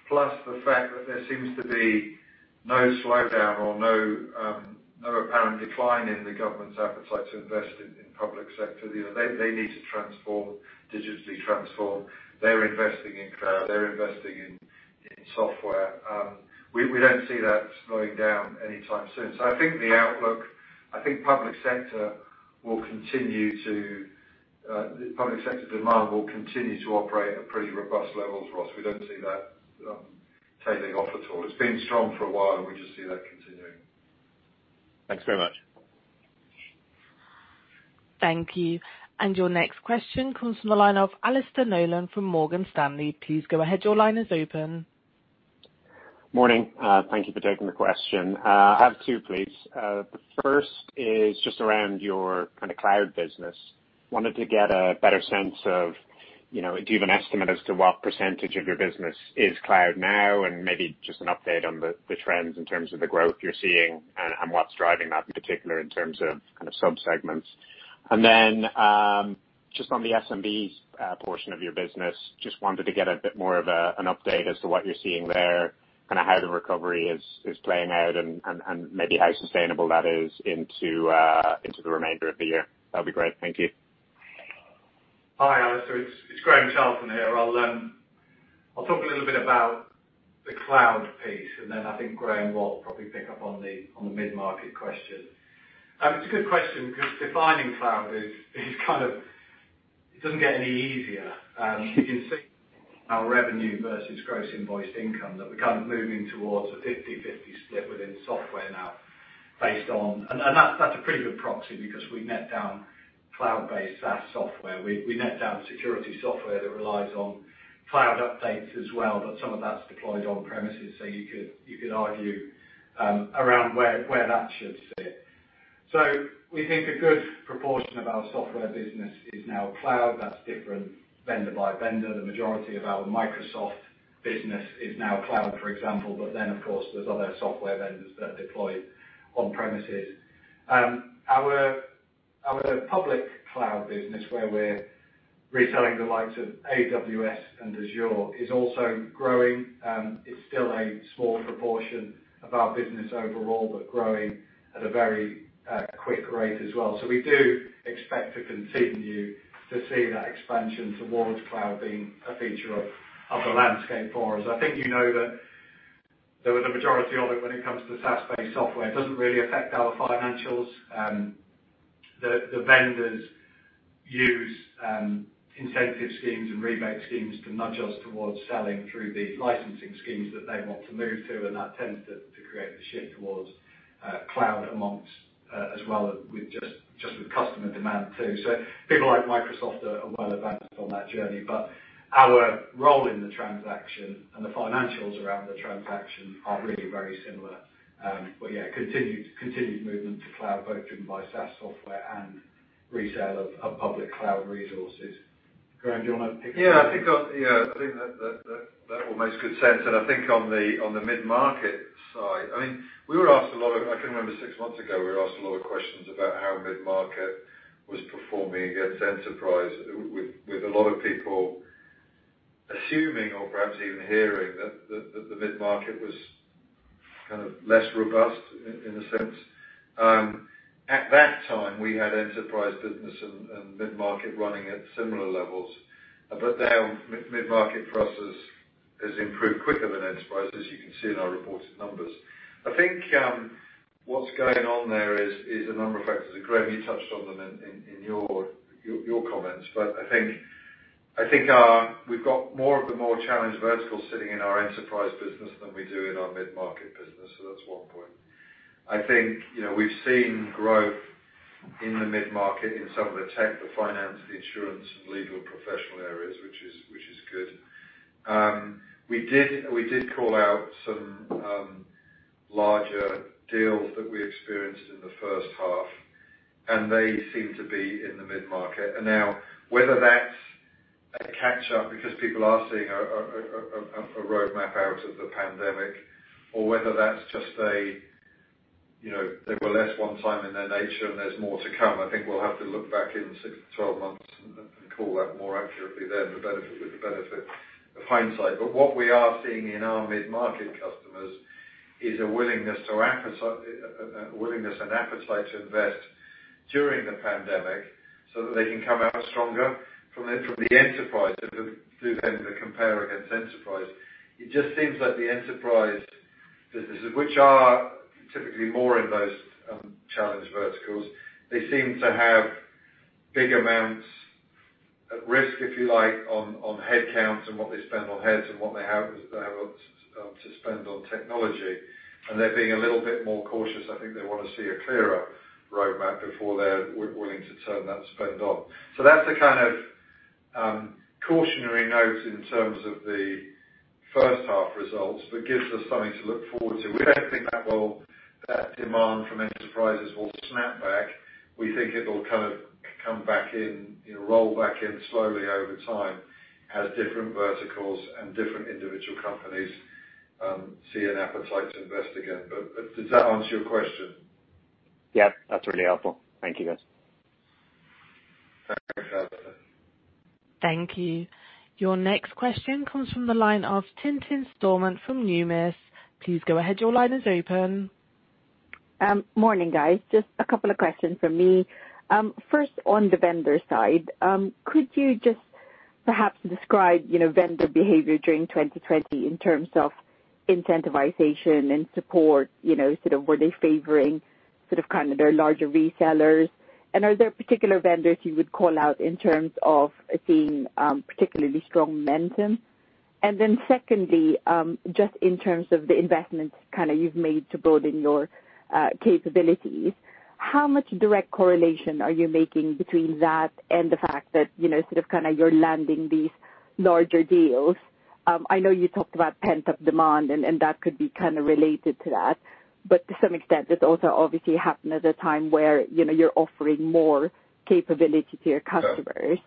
Speaker 2: plus the fact that there seems to be no slowdown or no apparent decline in the government's appetite to invest in public sector. They need to digitally transform. They're investing in cloud, they're investing in software. We don't see that slowing down anytime soon. I think public sector demand will continue to operate at pretty robust levels for us. We don't see that tailing off at all. It's been strong for a while, and we just see that continuing.
Speaker 4: Thanks very much.
Speaker 1: Thank you. Your next question comes from the line of Alastair Nolan from Morgan Stanley. Please go ahead. Your line is open.
Speaker 5: Morning. Thank you for taking the question. I have two, please. The first is just around your kind of cloud business. Wanted to get a better sense of, do you have an estimate as to what percentage of your business is cloud now? Maybe just an update on the trends in terms of the growth you're seeing and what's driving that in particular in terms of kind of subsegments. Then, just on the SMB portion of your business, just wanted to get a bit more of an update as to what you're seeing there, kind of how the recovery is playing out and maybe how sustainable that is into the remainder of the year. That'd be great. Thank you.
Speaker 3: Hi, Alastair. It's Graham Charlton here. I'll talk a little bit about the cloud piece, and then I think Graeme Watt will probably pick up on the mid-market question. It's a good question because defining cloud it doesn't get any easier. You can see our revenue versus gross invoiced income, that we're kind of moving towards a 50/50 split within software now. That's a pretty good proxy because we net down cloud-based SaaS software. We net down security software that relies on cloud updates as well, but some of that's deployed on premises. You could argue around where that should sit. We think a good proportion of our software business is now cloud. That's different vendor by vendor. The majority of our Microsoft business is now cloud, for example. Of course, there's other software vendors that deploy on premises. Our public cloud business, where we're retelling the likes of AWS and Azure, is also growing. It's still a small proportion of our business overall, but growing at a very quick rate as well. We do expect to continue to see that expansion towards cloud being a feature of the landscape for us. I think you know that the majority of it, when it comes to SaaS based software, it doesn't really affect our financials. The vendors use incentive schemes and rebate schemes to nudge us towards selling through the licensing schemes that they want to move to. That tends to create the shift towards cloud as well with just with customer demand too. People like Microsoft are well advanced on that journey, but our role in the transaction and the financials around the transaction are really very similar. Yeah, continued movement to cloud, both driven by SaaS software and resale of public cloud resources. Graeme, do you want to pick up on that?
Speaker 2: Yeah, I think that all makes good sense. I think on the mid-market side, I mean, I can remember six months ago, we were asked a lot of questions about how mid-market was performing against enterprise, with a lot of people assuming or perhaps even hearing that the mid-market was kind of less robust in a sense. At that time, we had enterprise business and mid-market running at similar levels. Now mid-market for us has improved quicker than enterprise, as you can see in our reported numbers. I think what's going on there is a number of factors, Graham, you touched on them in your comments. I think we've got more of the more challenged verticals sitting in our enterprise business than we do in our mid-market business. That's one point. I think we've seen growth in the mid-market in some of the tech, the finance, the insurance and legal professional areas, which is good. We did call out some larger deals that we experienced in the first half, and they seem to be in the mid-market. Now whether that's a catch up because people are seeing a roadmap out of the pandemic or whether that's just they were less one time in their nature and there's more to come, I think we'll have to look back in 6-12 months and call that more accurately then with the benefit of hindsight. What we are seeing in our mid-market customers is a willingness and appetite to invest during the pandemic so that they can come out stronger from the enterprise through then to compare against enterprise. It just seems like the enterprise businesses, which are typically more in those challenged verticals, they seem to have big amounts at risk, if you like, on headcounts and what they spend on heads and what they have to spend on technology. They're being a little bit more cautious. I think they want to see a clearer roadmap before they're willing to turn that spend on. That's the kind of cautionary note in terms of the First half results, gives us something to look forward to. We don't think that demand from enterprises will snap back. We think it'll kind of come back in, roll back in slowly over time as different verticals and different individual companies see an appetite to invest again. Does that answer your question?
Speaker 5: Yeah. That's really helpful. Thank you, guys.
Speaker 2: Thanks for having us.
Speaker 1: Thank you. Your next question comes from the line of Tintin Stormont from Numis. Please go ahead. Your line is open.
Speaker 6: Morning, guys. Just a couple of questions from me. On the vendor side, could you just perhaps describe vendor behavior during 2020 in terms of incentivization and support? Were they favoring their larger resellers? Are there particular vendors you would call out in terms of seeing particularly strong momentum? Secondly, just in terms of the investments you've made to broaden your capabilities, how much direct correlation are you making between that and the fact that you're landing these larger deals? I know you talked about pent-up demand, that could be kind of related to that. To some extent, it's also obviously happened at a time where you're offering more capability to your customers.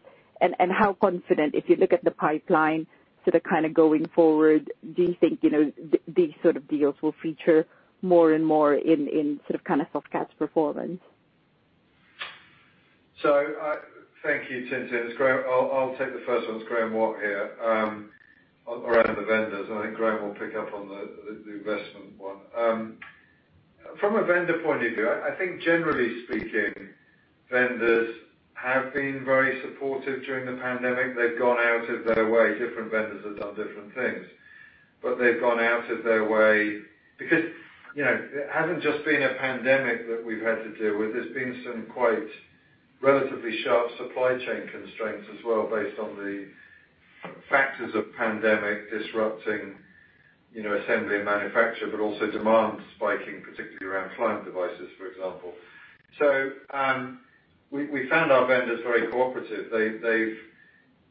Speaker 2: Yeah.
Speaker 6: How confident, if you look at the pipeline going forward, do you think these sort of deals will feature more and more in Softcat's performance?
Speaker 7: Thank you, Tintin. It's Graeme. I'll take the first one. It's Graeme Watt here. Around the vendors. I think Graham will pick up on the investment one. From a vendor point of view, I think generally speaking, vendors have been very supportive during the pandemic. They've gone out of their way. Different vendors have done different things. They've gone out of their way because it hasn't just been a pandemic that we've had to deal with. There's been some quite relatively sharp supply chain constraints as well based on the factors of pandemic disrupting assembly and manufacture, but also demand spiking, particularly around client devices, for example. We found our vendors very cooperative. They've,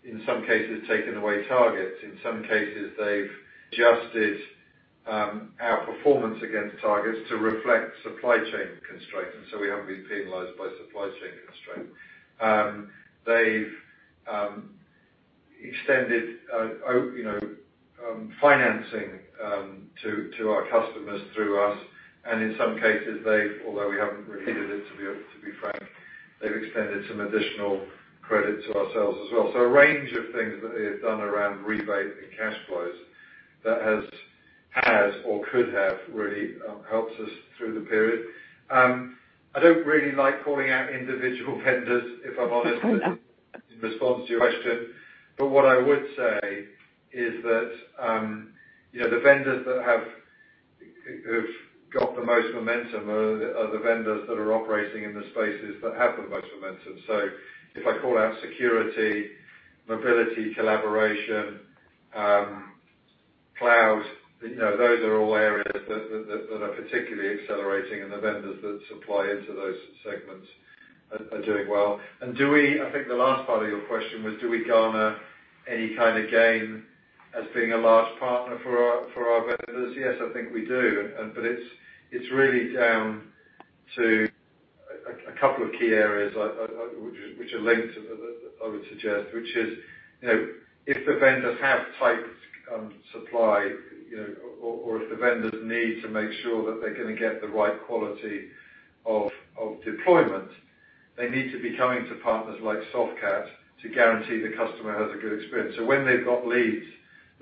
Speaker 7: in some cases, taken away targets. In some cases, they've adjusted our performance against targets to reflect supply chain constraints. We haven't been penalized by supply chain constraint.
Speaker 2: They've extended financing to our customers through us, and in some cases they've, although we haven't repeated it, to be frank, they've extended some additional credit to ourselves as well. A range of things that they've done around rebate and cash flows that has or could have really helped us through the period. I don't really like calling out individual vendors, if I'm honest, in response to your question. What I would say is that the vendors that have got the most momentum are the vendors that are operating in the spaces that have the most momentum. If I call out security, mobility, collaboration, cloud, those are all areas that are particularly accelerating, and the vendors that supply into those segments are doing well. I think the last part of your question was, do we garner any kind of gain as being a large partner for our vendors? Yes, I think we do. It's really down to a couple of key areas which are linked, I would suggest, which is if the vendors have tight supply or if the vendors need to make sure that they're going to get the right quality of deployment, they need to be coming to partners like Softcat to guarantee the customer has a good experience. When they've got leads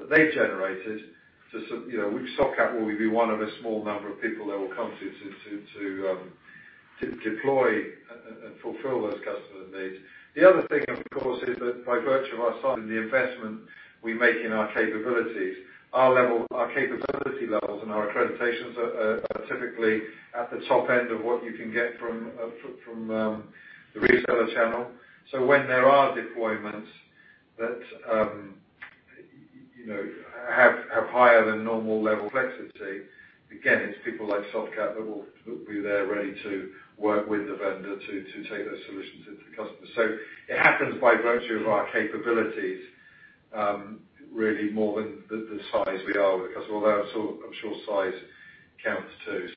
Speaker 2: that they've generated, Softcat will be one of a small number of people they will come to deploy and fulfill those customer needs. The other thing, of course, is that by virtue of our size and the investment we make in our capabilities, our capability levels and our accreditations are typically at the top end of what you can get from the reseller channel. When there are deployments that have higher than normal level complexity, again, it's people like Softcat that will be there ready to work with the vendor to take those solutions into the customer. It happens by virtue of our capabilities really more than the size we are with the customer, although I'm sure size counts, too.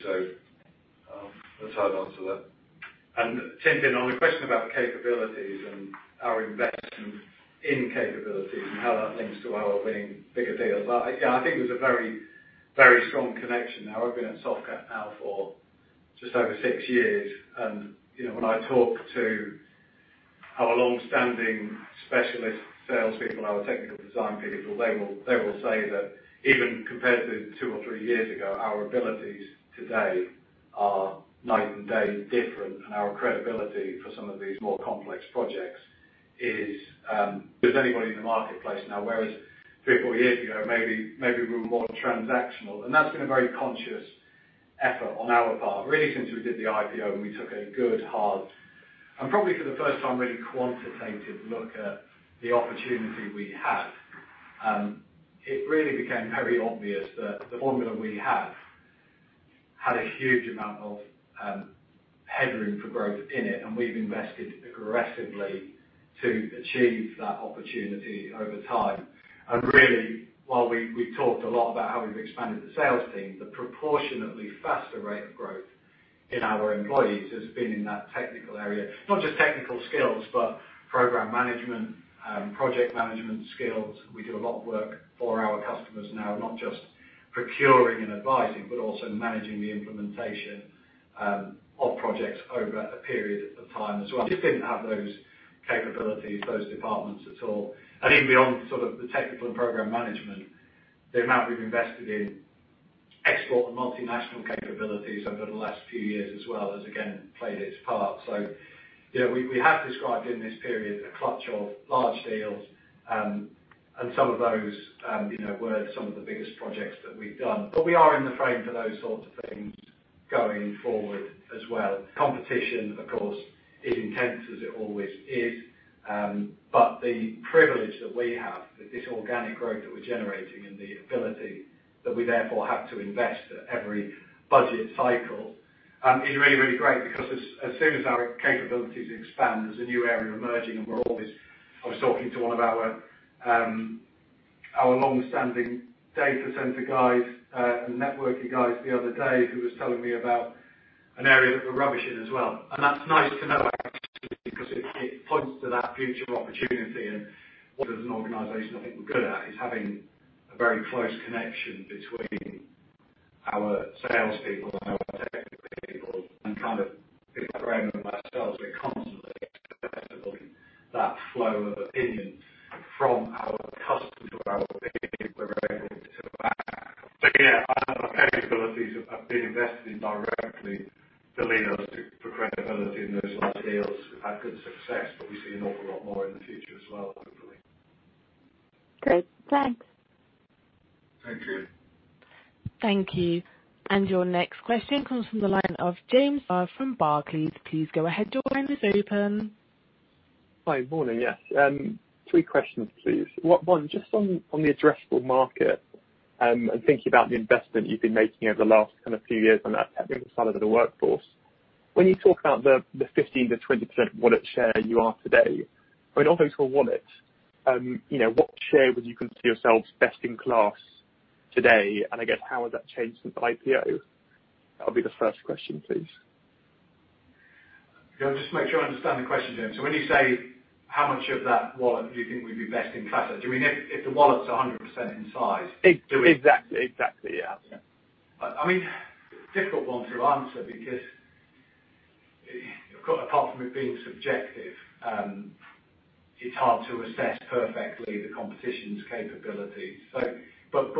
Speaker 2: That's how I'd answer that.
Speaker 3: Tintin, on the question about capabilities and our investment in capabilities and how that links to our winning bigger deals, I think there's a very strong connection. I've been at Softcat now for just over six years, and when I talk to our longstanding specialist salespeople, our technical design people, they will say that even compared to two or three years ago, our abilities today are night and day different, and our credibility for some of these more complex projects is anybody in the marketplace now. Whereas three or four years ago, maybe we were more transactional. That's been a very conscious effort on our part, really since we did the IPO and we took a good, hard, and probably for the first time, really quantitative look at the opportunity we have. It really became very obvious that the formula we have had a huge amount of headroom for growth in it. We've invested aggressively to achieve that opportunity over time. Really, while we talked a lot about how we've expanded the sales team, the proportionately faster rate of growth in our employees has been in that technical area. Not just technical skills, but program management, project management skills. We do a lot of work for our customers now, not just procuring and advising, but also managing the implementation of projects over a period of time as well. Just didn't have those capabilities, those departments at all. Even beyond the technical and program management, the amount we've invested in export and multinational capabilities over the last few years as well has again played its part. We have described in this period a clutch of large deals, and some of those were some of the biggest projects that we've done. We are in the frame for those sorts of things going forward as well. Competition, of course, is intense as it always is. The privilege that we have with this organic growth that we're generating and the ability that we therefore have to invest at every budget cycle is really, really great because as soon as our capabilities expand, there's a new area emerging, and we're always. I was talking to one of our longstanding data center guys, and networking guys the other day, who was telling me about an area that we're rubbish in as well. That's nice to know because it points to that future opportunity. As an organization, I think we're good at is having a very close connection between our salespeople and our technical people and kind of being around ourselves. We're constantly that flow of opinion from our customers we're able to act. Yeah, our capabilities have been invested in directly to lead us to credibility in those large deals. We've had good success, but we see an awful lot more in the future as well, hopefully.
Speaker 6: Great. Thanks.
Speaker 3: Thank you.
Speaker 1: Thank you. Your next question comes from the line of James Barr from Barclays. Please go ahead.
Speaker 8: Hi. Morning. Yes. Three questions, please. Just on the addressable market, thinking about the investment you've been making over the last few years on that technical side of the workforce. When you talk about the 15%-20% wallet share you are today, in an overall wallet, what share would you consider yourselves best in class today? I guess how has that changed since IPO? That'll be the first question, please.
Speaker 3: Just make sure I understand the question, James. When you say how much of that wallet do you think we'd be best in class, do you mean if the wallet's 100% in size?
Speaker 8: Exactly. Yeah.
Speaker 3: It's a difficult one to answer because apart from it being subjective, it's hard to assess perfectly the competition's capabilities.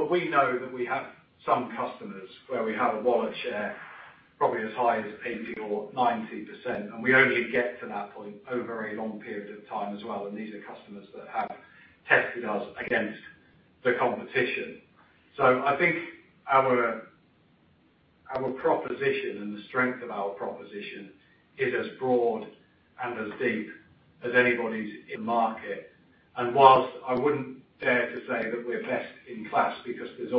Speaker 3: We know that we have some customers where we have a wallet share probably as high as 80 or 90%, and we only get to that point over a long period of time as well, and these are customers that have tested us against the competition. I think our proposition and the strength of our proposition is as broad and as deep as anybody's in the market. While I wouldn't dare to say that we're best in class because there's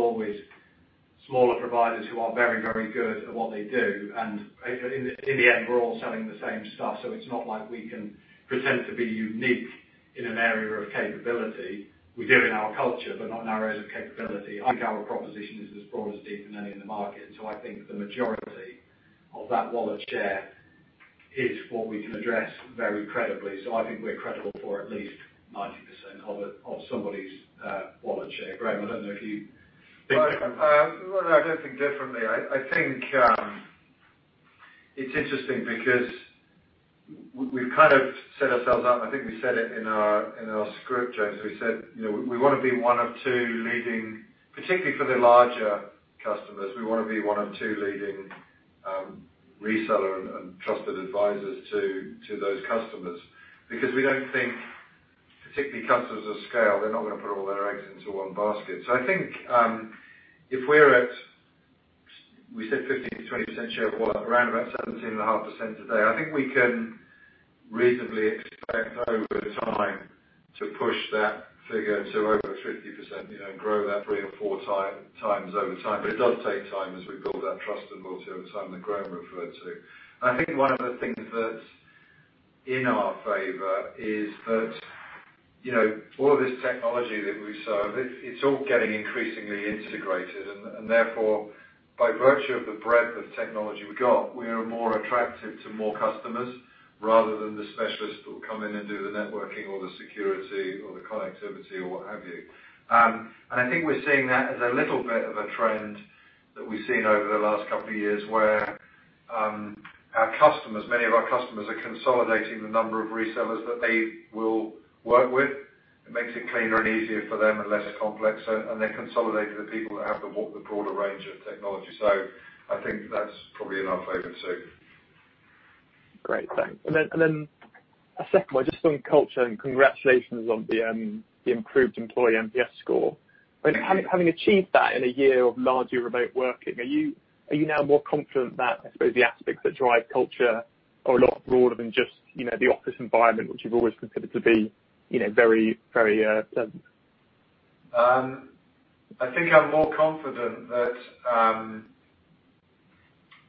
Speaker 3: always smaller providers who are very, very good at what they do, and in the end, we're all selling the same stuff, so it's not like we can pretend to be unique in an area of capability. We do in our culture, but not in our areas of capability. I think our proposition is as broad as deep in any in the market. I think the majority of that wallet share is what we can address very credibly. I think we're credible for at least 90% of somebody's wallet share. Graeme, I don't know if you think different.
Speaker 2: I don't think differently. I think it's interesting because we've kind of set ourselves up. I think we said it in our script, James. We said, we want to be one of two leading, particularly for the larger customers. We want to be one of two leading reseller and trusted advisors to those customers because we don't think, particularly customers of scale, they're not going to put all their eggs into one basket. I think if we're at, we said 15%-20% share of wallet, around about 17.5% today. I think we can reasonably expect over time to push that figure to over 50%, grow that three or four times over time. It does take time as we build that trust and loyalty over time that Graham referred to. I think one of the things that's in our favor is that all this technology that we serve, it's all getting increasingly integrated, and therefore, by virtue of the breadth of technology we got, we are more attractive to more customers rather than the specialists who come in and do the networking or the security or the connectivity or what have you. I think we're seeing that as a little bit of a trend that we've seen over the last couple of years, where our customers, many of our customers are consolidating the number of resellers that they will work with. It makes it cleaner and easier for them and less complex, and they're consolidating the people that have the broader range of technology. I think that's probably in our favor, too.
Speaker 8: Great, thanks. A second one, just on culture, and congratulations on the improved employee NPS score.
Speaker 3: Thank you.
Speaker 8: Having achieved that in a year of largely remote working, are you now more confident that, I suppose the aspects that drive culture are a lot broader than just the office environment, which you've always considered to be very, very
Speaker 2: I think I'm more confident that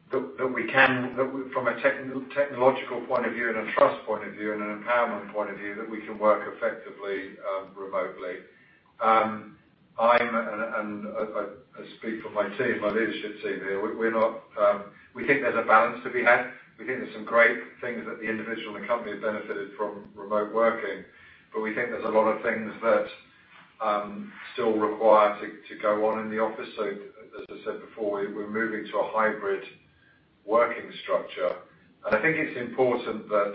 Speaker 2: from a technological point of view and a trust point of view and an empowerment point of view, that we can work effectively remotely. I speak for my leadership team here. We think there's a balance to be had. We think there's some great things that the individual and the company have benefited from remote working, but we think there's a lot of things that still require to go on in the office. As I said before, we're moving to a hybrid working structure. I think it's important that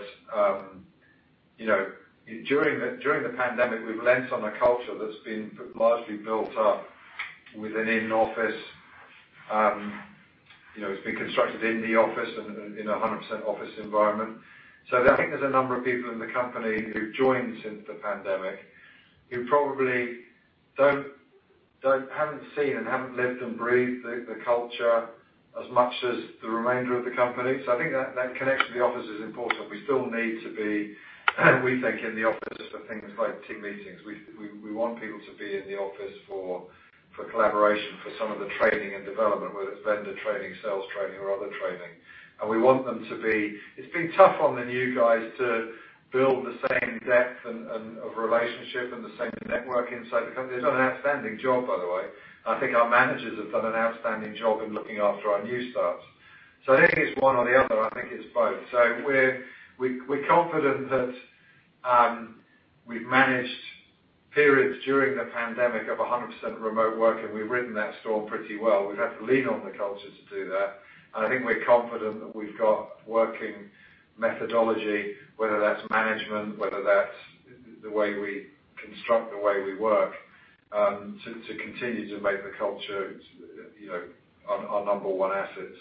Speaker 2: during the pandemic, we've lent on a culture that's been largely built up within an office. It's been constructed in the office and in a 100% office environment. I think there's a number of people in the company who've joined since the pandemic who probably haven't seen and haven't lived and breathed the culture as much as the remainder of the company. I think that connection to the office is important. We still need to be we think, in the office for things like team meetings. We want people to be in the office for collaboration, for some of the training and development, whether it's vendor training, sales training, or other training. We want them to be It's been tough on the new guys to build the same depth of relationship and the same network inside the company. They've done an outstanding job, by the way. I think our managers have done an outstanding job in looking after our new starts. I think it's one or the other. I think it's both. We're confident that we've managed periods during the pandemic of 100% remote working. We've ridden that storm pretty well. We've had to lean on the culture to do that, and I think we're confident that we've got working methodology, whether that's management, whether that's the way we construct the way we work, to continue to make the culture our number one asset.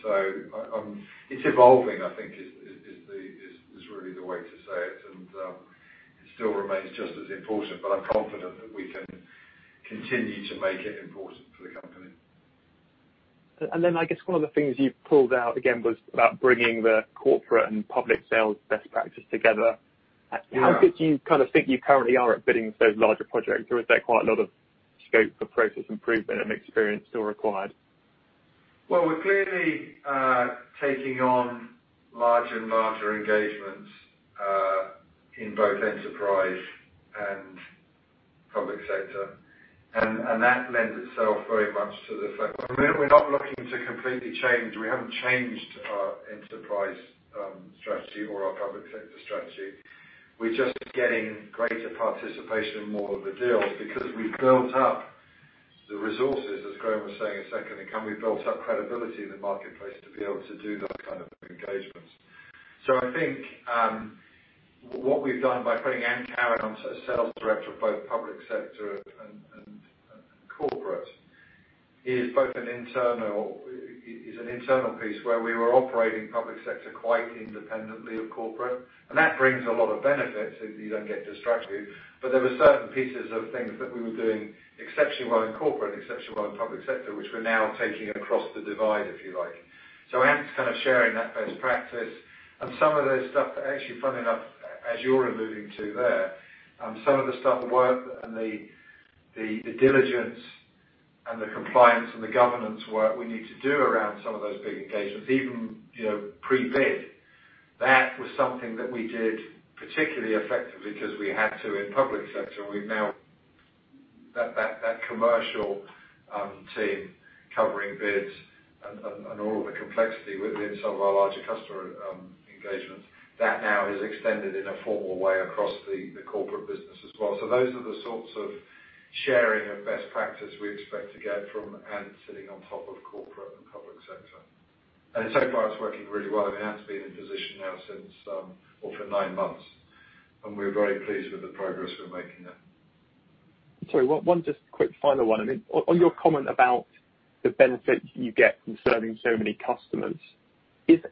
Speaker 2: It's evolving, I think is really the way to say it, and it still remains just as important, but I'm confident that we can continue to make it important for the company.
Speaker 8: I guess one of the things you pulled out again was about bringing the corporate and public sales best practice together.
Speaker 2: Yeah.
Speaker 8: How good do you think you currently are at bidding for those larger projects? Is there quite a lot of scope for process improvement and experience still required?
Speaker 2: Well, we're clearly taking on larger and larger engagements in both enterprise and public sector. We're not looking to completely change. We haven't changed our enterprise strategy or our public sector strategy. We're just getting greater participation in more of the deals because we've built up the resources, as Graham was saying a second ago, and we built up credibility in the marketplace to be able to do those kind of engagements. I think what we've done by putting Anne Carr on as Sales Director of both public sector and corporate is both an internal piece where we were operating public sector quite independently of corporate. That brings a lot of benefits if you don't get distracted, but there were certain pieces of things that we were doing exceptionally well in corporate and exceptionally well in public sector, which we're now taking across the divide, if you like. Anne's kind of sharing that best practice and some of those stuff that actually, funnily enough, as you're alluding to there, some of the stuff, the work and the diligence and the compliance and the governance work we need to do around some of those big engagements, even pre-bid. That was something that we did particularly effectively because we had to in public sector. We've now That commercial team covering bids and all of the complexity within some of our larger customer engagements, now is extended in a formal way across the corporate business as well. Those are the sorts of sharing of best practice we expect to get from Anne sitting on top of corporate and public sector. So far, it's working really well. I mean, Anne's been in position now for nine months, and we're very pleased with the progress we're making there.
Speaker 8: Sorry, one just quick final one. On your comment about the benefit you get from serving so many customers,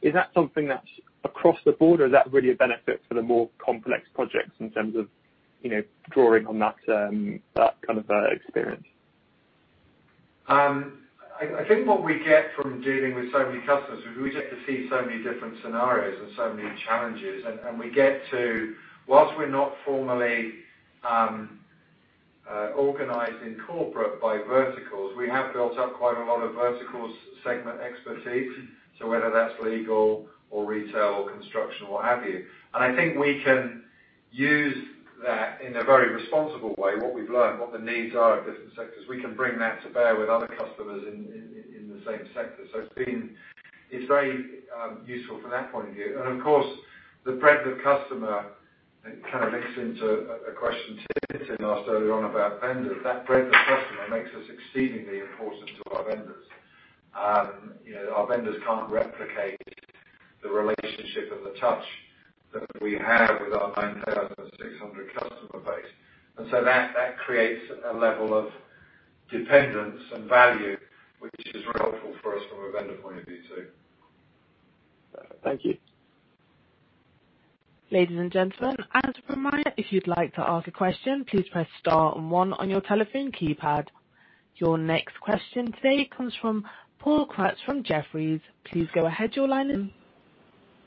Speaker 8: is that something that's across the board, or is that really a benefit for the more complex projects in terms of drawing on that kind of experience?
Speaker 2: I think what we get from dealing with so many customers is we get to see so many different scenarios and so many challenges. We get to, whilst we're not formally organized in corporate by verticals, we have built up quite a lot of verticals segment expertise. Whether that's legal or retail or construction or what have you. I think we can use that in a very responsible way, what we've learned, what the needs are of different sectors. We can bring that to bear with other customers in the same sector. It's very useful from that point of view. Of course, the breadth of customer, it kind of links into a question Tintin asked earlier on about vendors. That breadth of customer makes us exceedingly important to our vendors. Our vendors can't replicate the relationship and the touch that we have with our 9,600 customer base. That creates a level of dependence and value, which is relevant for us from a vendor point of view too.
Speaker 8: Thank you.
Speaker 1: Ladies and gentlemen, as a reminder, if you'd like to ask a question, please press star and one on your telephone keypad. Your next question today comes from Paul Quats from Jefferies. Please go ahead.
Speaker 9: Yeah.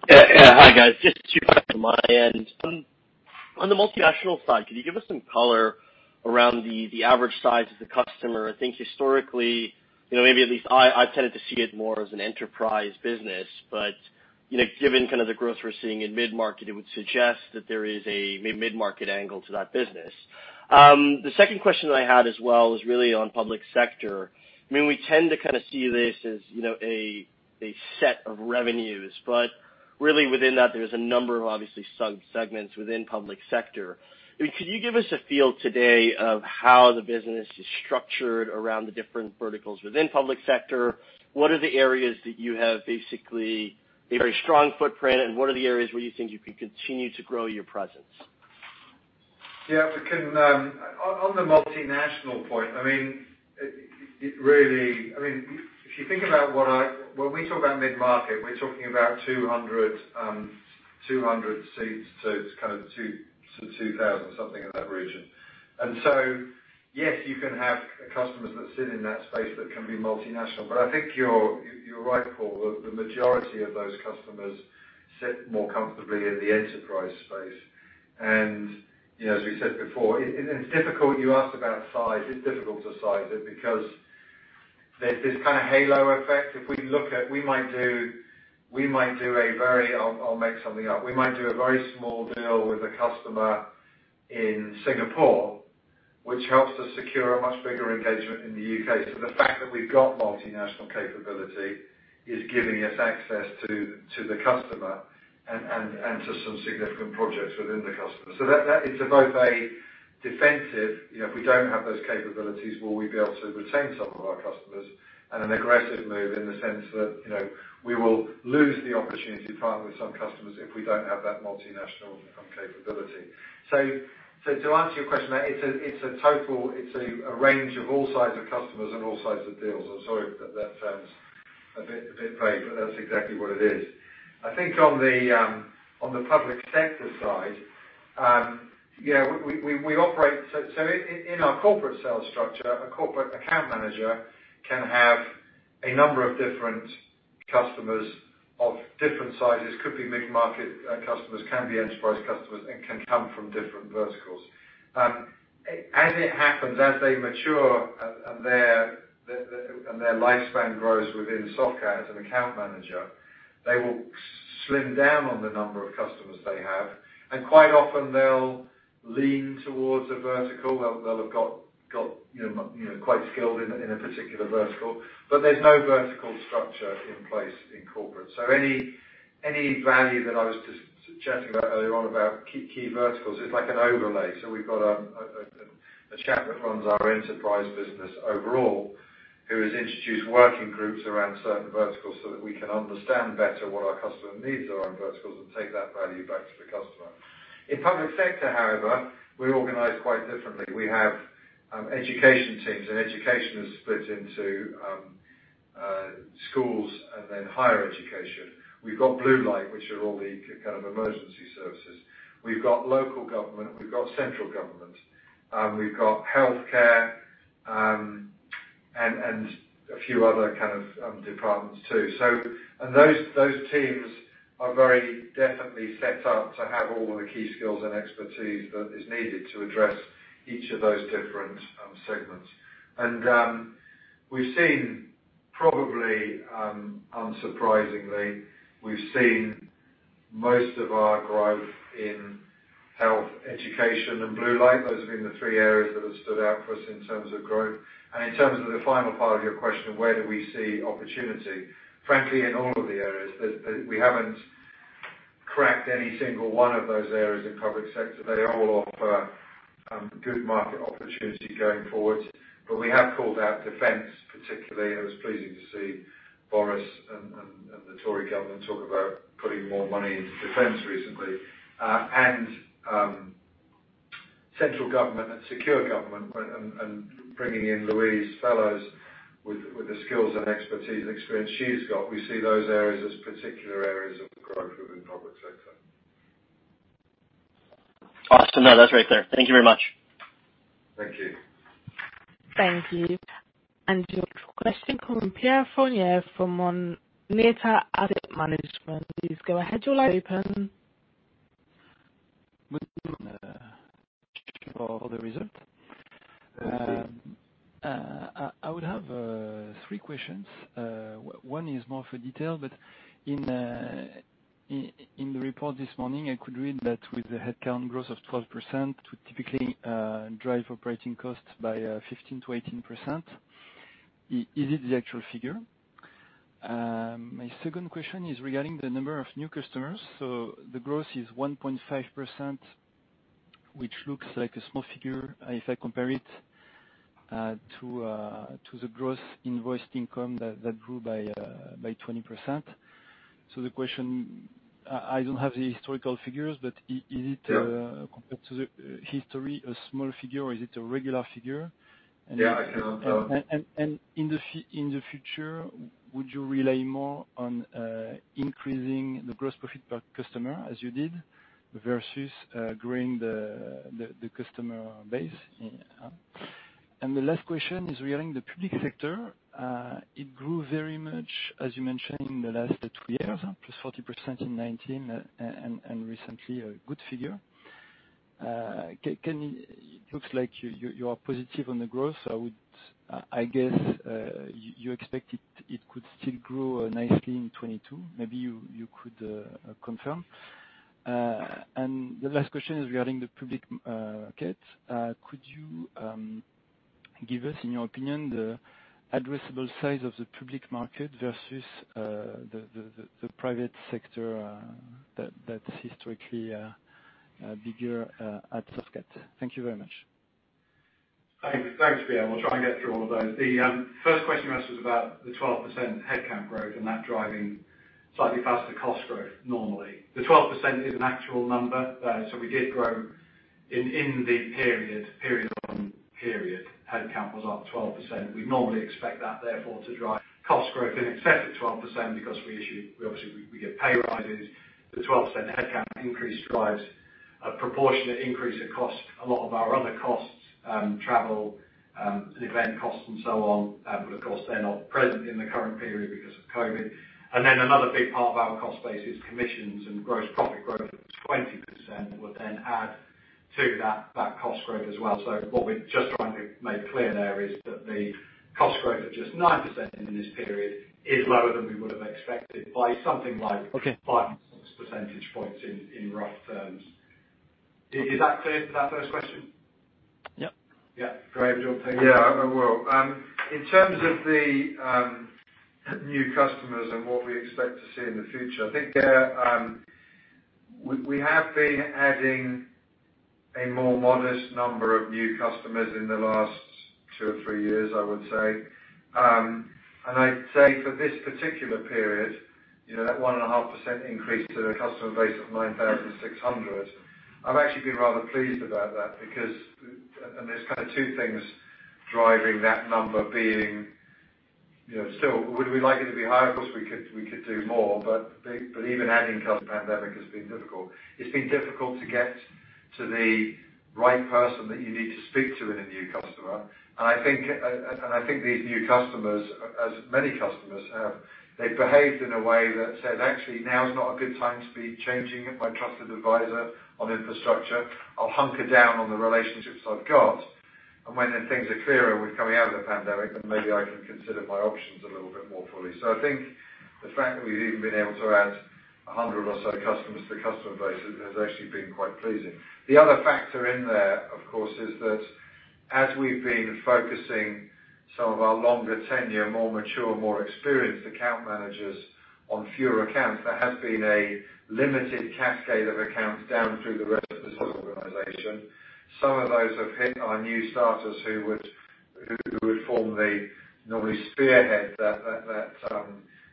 Speaker 9: Hi, guys. Just two from my end. On the multinational side, can you give us some color around the average size of the customer? I think historically, maybe at least I tended to see it more as an enterprise business, but given the growth we're seeing in mid-market, it would suggest that there is a mid-market angle to that business. The second question that I had as well is really on public sector. We tend to see this as a set of revenues, but really within that, there's a number of obviously sub-segments within public sector. Could you give us a feel today of how the business is structured around the different verticals within public sector? What are the areas that you have basically a very strong footprint, and what are the areas where you think you can continue to grow your presence?
Speaker 2: On the multinational point, if you think about when we talk about mid-market, we're talking about 200-2,000, something in that region. Yes, you can have customers that sit in that space that can be multinational. I think you're right, Paul. The majority of those customers sit more comfortably in the enterprise space. As we said before, you asked about size. It's difficult to size it because there's this kind of halo effect. I'll make something up. We might do a very small deal with a customer in Singapore, which helps us secure a much bigger engagement in the U.K. The fact that we've got multinational capability is giving us access to the customer and to some significant projects within the customer. That is both a defensive, if we don't have those capabilities, will we be able to retain some of our customers? An aggressive move in the sense that we will lose the opportunity to partner with some customers if we don't have that multinational capability. To answer your question, it's a range of all sizes of customers and all sizes of deals. I'm sorry if that sounds a bit vague, but that's exactly what it is. I think on the public sector side, so in our corporate sales structure, a corporate account manager can have a number of different customers of different sizes. Could be mid-market customers, can be enterprise customers, and can come from different verticals. As it happens, as they mature and their lifespan grows within Softcat as an account manager, they will slim down on the number of customers they have. Quite often they'll lean towards a vertical. They'll have got quite skilled in a particular vertical, but there's no vertical structure in place in corporate. Any value that I was just chatting about earlier on about key verticals, it's like an overlay. We've got a chap that runs our enterprise business overall who has introduced working groups around certain verticals so that we can understand better what our customer needs are on verticals and take that value back to the customer. In public sector, however, we organize quite differently. We have education teams, and education is split into schools and then higher education. We've got blue light, which are all the emergency services. We've got local government, we've got central government, we've got healthcare, and a few other kinds of departments too. Those teams are very definitely set up to have all the key skills and expertise that is needed to address each of those different segments. Probably unsurprisingly, we've seen most of our growth in health, education, and blue light. Those have been the three areas that have stood out for us in terms of growth. In terms of the final part of your question, where do we see opportunity? Frankly, in all of the areas. We haven't cracked any single one of those areas in public sector. They all offer good market opportunity going forward. We have called out defense particularly, and it was pleasing to see Boris and the Tory government talk about putting more money into defense recently. Central government and secure government, and bringing in Louise Fellows with the skills and expertise and experience she's got. We see those areas as particular areas of growth within public sector.
Speaker 9: Awesome. No, that's very clear. Thank you very much.
Speaker 2: Thank you.
Speaker 1: Thank you. Your question coming from Pierre Fournier from Moneta Asset Management. Please go ahead, your line open.
Speaker 10: For the result.
Speaker 2: Thank you.
Speaker 10: I would have three questions. One is more for detail, but in the report this morning, I could read that with the headcount growth of 12% to typically drive operating costs by 15%-18%. Is it the actual figure? My second question is regarding the number of new customers. The growth is 1.5%, which looks like a small figure if I compare it to the growth in invoiced income that grew by 20%. The question, I don't have the historical figures, but is it?
Speaker 2: Yeah.
Speaker 10: Compared to the history, a small figure or is it a regular figure?
Speaker 2: Yeah.
Speaker 10: In the future, would you rely more on increasing the gross profit per customer as you did, versus growing the customer base? The last question is regarding the public sector. It grew very much, as you mentioned, in the last two years, +40% in 2019, and recently a good figure. It looks like you are positive on the growth, so I guess you expect it could still grow nicely in 2022. Maybe you could confirm. The last question is regarding the public market. Could you give us, in your opinion, the addressable size of the public market versus the private sector that historically bigger at Softcat? Thank you very much.
Speaker 3: Thanks, Pierre. We'll try and get through all of those. The first question you asked was about the 12% headcount growth and that driving slightly faster cost growth normally. The 12% is an actual number. We did grow in the period. Period-on-period headcount was up 12%. We'd normally expect that, therefore, to drive cost growth in excess of 12% because we obviously, we give pay rises. The 12% headcount increase drives a proportionate increase of cost. A lot of our other costs, travel, event costs, and so on, but of course, they're not present in the current period because of COVID-19. Another big part of our cost base is commissions, and gross profit growth of 20% would then add to that cost growth as well. What we're just trying to make clear there is that the cost growth of just 9% in this period is lower than we would have expected.
Speaker 10: Okay.
Speaker 3: Five percentage points in rough terms. Is that clear for that first question?
Speaker 10: Yep.
Speaker 3: Yeah. Graeme, do you want to take it?
Speaker 2: Yeah, I will. In terms of the new customers and what we expect to see in the future, I think we have been adding a more modest number of new customers in the last two or three years, I would say. I'd say for this particular period, that 1.5% increase to the customer base of 9,600, I've actually been rather pleased about that because there's kind of two things driving that number being still. Would we like it to be higher? Of course, we could do more. Even adding customers in the Pandemic has been difficult. It's been difficult to get to the right person that you need to speak to in a new customer. I think these new customers, as many customers have, they behaved in a way that said, "Actually, now is not a good time to be changing my trusted advisor on infrastructure. I'll hunker down on the relationships I've got. When things are clearer with coming out of the pandemic, then maybe I can consider my options a little bit more fully. I think the fact that we've even been able to add 100 or so customers to the customer base has actually been quite pleasing. The other factor in there, of course, is that as we've been focusing some of our longer tenure, more mature, more experienced account managers on fewer accounts, there has been a limited cascade of accounts down through the rest of the organization. Some of those have hit our new starters who would normally spearhead that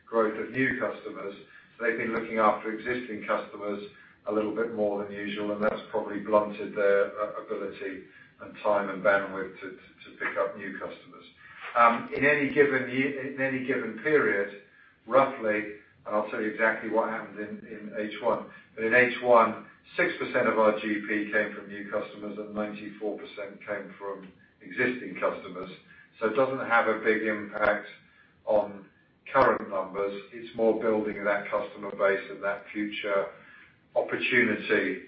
Speaker 2: growth of new customers. They've been looking after existing customers a little bit more than usual, that's probably blunted their ability and time and bandwidth to pick up new customers. In any given period, roughly, and I'll tell you exactly what happened in H1. In H1, 6% of our GP came from new customers and 94% came from existing customers. It doesn't have a big impact on current numbers. It's more building of that customer base and that future opportunity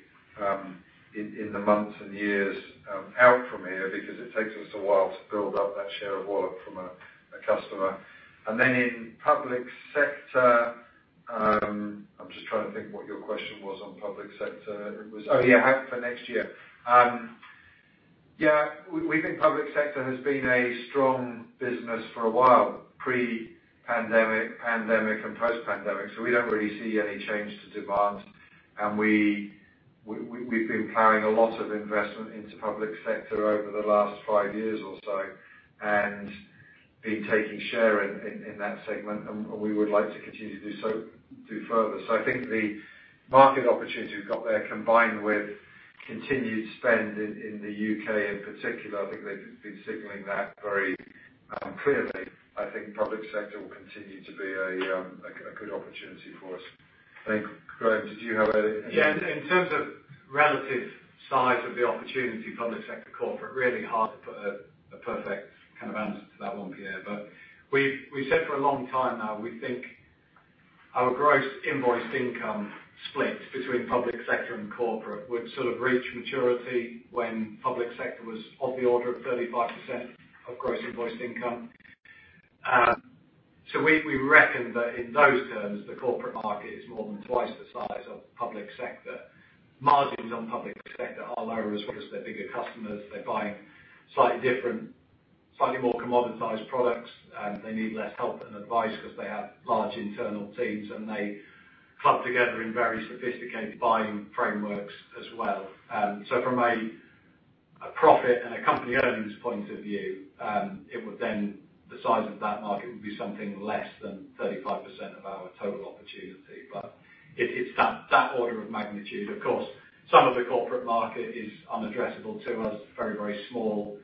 Speaker 2: in the months and years out from here because it takes us a while to build up that share of wallet from a customer. In public sector, I'm just trying to think what your question was on public sector. Oh, yeah, for next year. We think public sector has been a strong business for a while, pre-pandemic, pandemic, and post-pandemic. We don't really see any change to demand. We've been plowing a lot of investment into public sector over the last five years or so and been taking share in that segment, and we would like to continue to do so further. I think the market opportunity we've got there, combined with continued spend in the U.K. in particular, I think they've been signaling that very clearly. I think public sector will continue to be a good opportunity for us. Graham, did you have any?
Speaker 3: In terms of relative size of the opportunity, public sector, corporate, really hard to put a perfect kind of answer to that one, Pierre. We've said for a long time now, we think our gross invoiced income split between public sector and corporate would sort of reach maturity when public sector was of the order of 35% of gross invoiced income. We reckon that in those terms, the corporate market is more than twice the size of public sector. Margins on public sector are lower as well as they're bigger customers. They're buying slightly different, slightly more commoditized products, and they need less help and advice because they have large internal teams, and they club together in very sophisticated buying frameworks as well. From a profit and a company earnings point of view, the size of that market would be something less than 35% of our total opportunity. It's that order of magnitude. Of course, some of the corporate market is unaddressable to us. Very, very small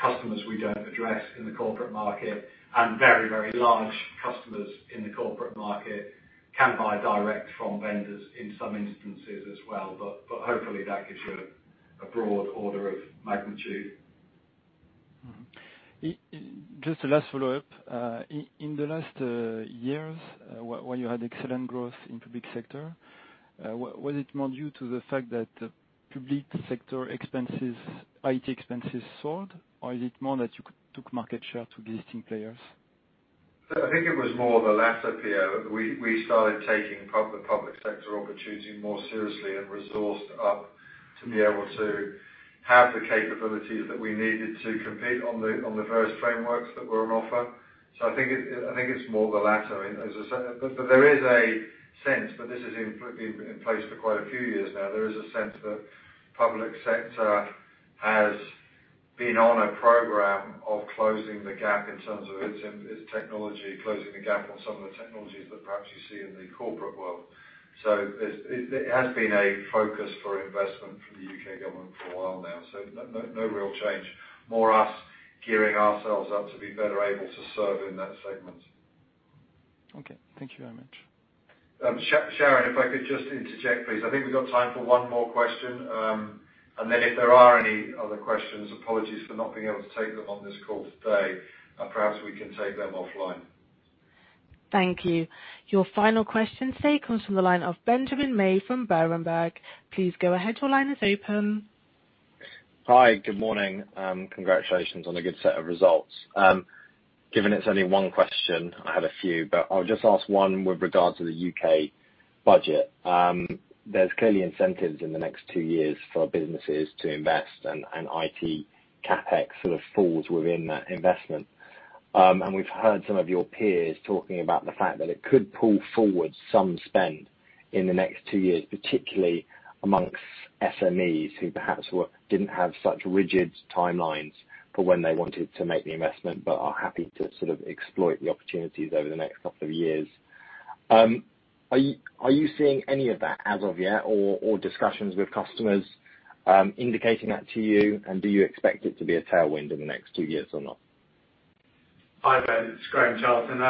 Speaker 3: customers we don't address in the corporate market, and very, very large customers in the corporate market can buy direct from vendors in some instances as well. Hopefully, that gives you a broad order of magnitude.
Speaker 10: Just a last follow-up. In the last years, while you had excellent growth in public sector, was it more due to the fact that public sector IT expenses soared? Is it more that you took market share to existing players?
Speaker 3: I think it was more of the latter, Pierre. We started taking the public sector opportunity more seriously and resourced up to be able to have the capabilities that we needed to compete on the first frameworks that were on offer. I think it's more the latter. There is a sense that this has been in place for quite a few years now. There is a sense that public sector has been on a program of closing the gap in terms of its technology, closing the gap on some of the technologies that perhaps you see in the corporate world. It has been a focus for investment from the U.K. Government for a while now, so no real change. More us gearing ourselves up to be better able to serve in that segment.
Speaker 10: Okay. Thank you very much.
Speaker 3: Sharon, if I could just interject, please. I think we've got time for one more question, and then if there are any other questions, apologies for not being able to take them on this call today. Perhaps we can take them offline.
Speaker 1: Thank you. Your final question today comes from the line of Benjamin May from Berenberg. Please go ahead. Your line is open.
Speaker 11: Hi. Good morning. Congratulations on a good set of results. Given it's only one question, I have a few, but I'll just ask one with regards to the U.K. budget. There's clearly incentives in the next two years for businesses to invest. IT CapEx sort of falls within that investment. We've heard some of your peers talking about the fact that it could pull forward some spend in the next two years, particularly amongst SMEs who perhaps didn't have such rigid timelines for when they wanted to make the investment but are happy to sort of exploit the opportunities over the next couple of years. Are you seeing any of that as of yet? Discussions with customers indicating that to you? Do you expect it to be a tailwind in the next two years or not?
Speaker 3: Hi, Ben. It's Graham Charlton.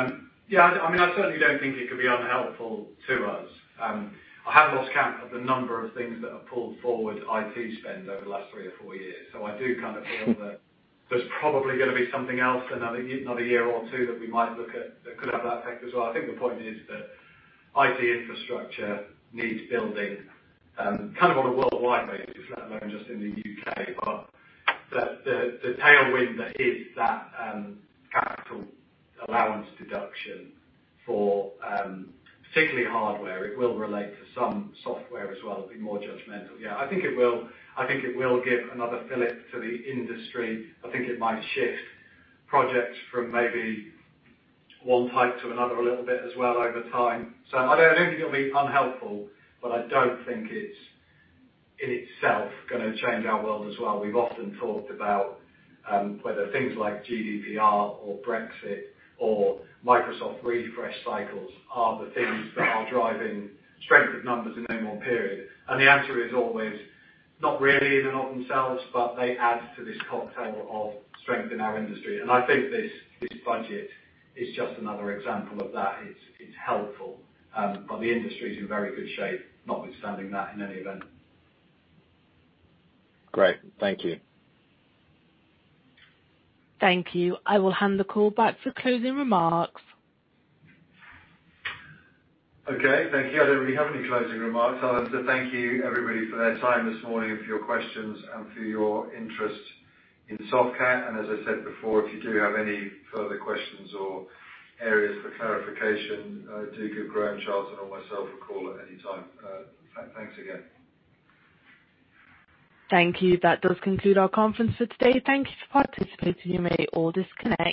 Speaker 3: Yeah, I certainly don't think it can be unhelpful to us. I have lost count of the number of things that have pulled forward IT spend over the last three or four years. I do kind of feel that there's probably going to be something else, another year or two that we might look at that could have that effect as well. I think the point is that IT infrastructure needs building, kind of on a worldwide basis, let alone just in the U.K. The tailwind that is that capital allowance deduction for particularly hardware, it will relate to some software as well, be more judgmental. Yeah, I think it will give another fillip to the industry. I think it might shift projects from maybe one type to another a little bit as well over time. I don't think it'll be unhelpful, but I don't think it's in itself going to change our world as well. We've often talked about whether things like GDPR or Brexit or Microsoft refresh cycles are the things that are driving strength of numbers in any one period. The answer is always, not really in and of themselves, but they add to this cocktail of strength in our industry. I think this budget is just another example of that. It's helpful. The industry is in very good shape, notwithstanding that in any event.
Speaker 11: Great. Thank you.
Speaker 1: Thank you. I will hand the call back for closing remarks.
Speaker 2: Okay. Thank you. I don't really have any closing remarks other than thank you everybody for their time this morning, for your questions, and for your interest in Softcat. As I said before, if you do have any further questions or areas for clarification, do give Graham Charlton or myself a call at any time. Thanks again.
Speaker 1: Thank you. That does conclude our conference for today. Thank you for participating. You may all disconnect.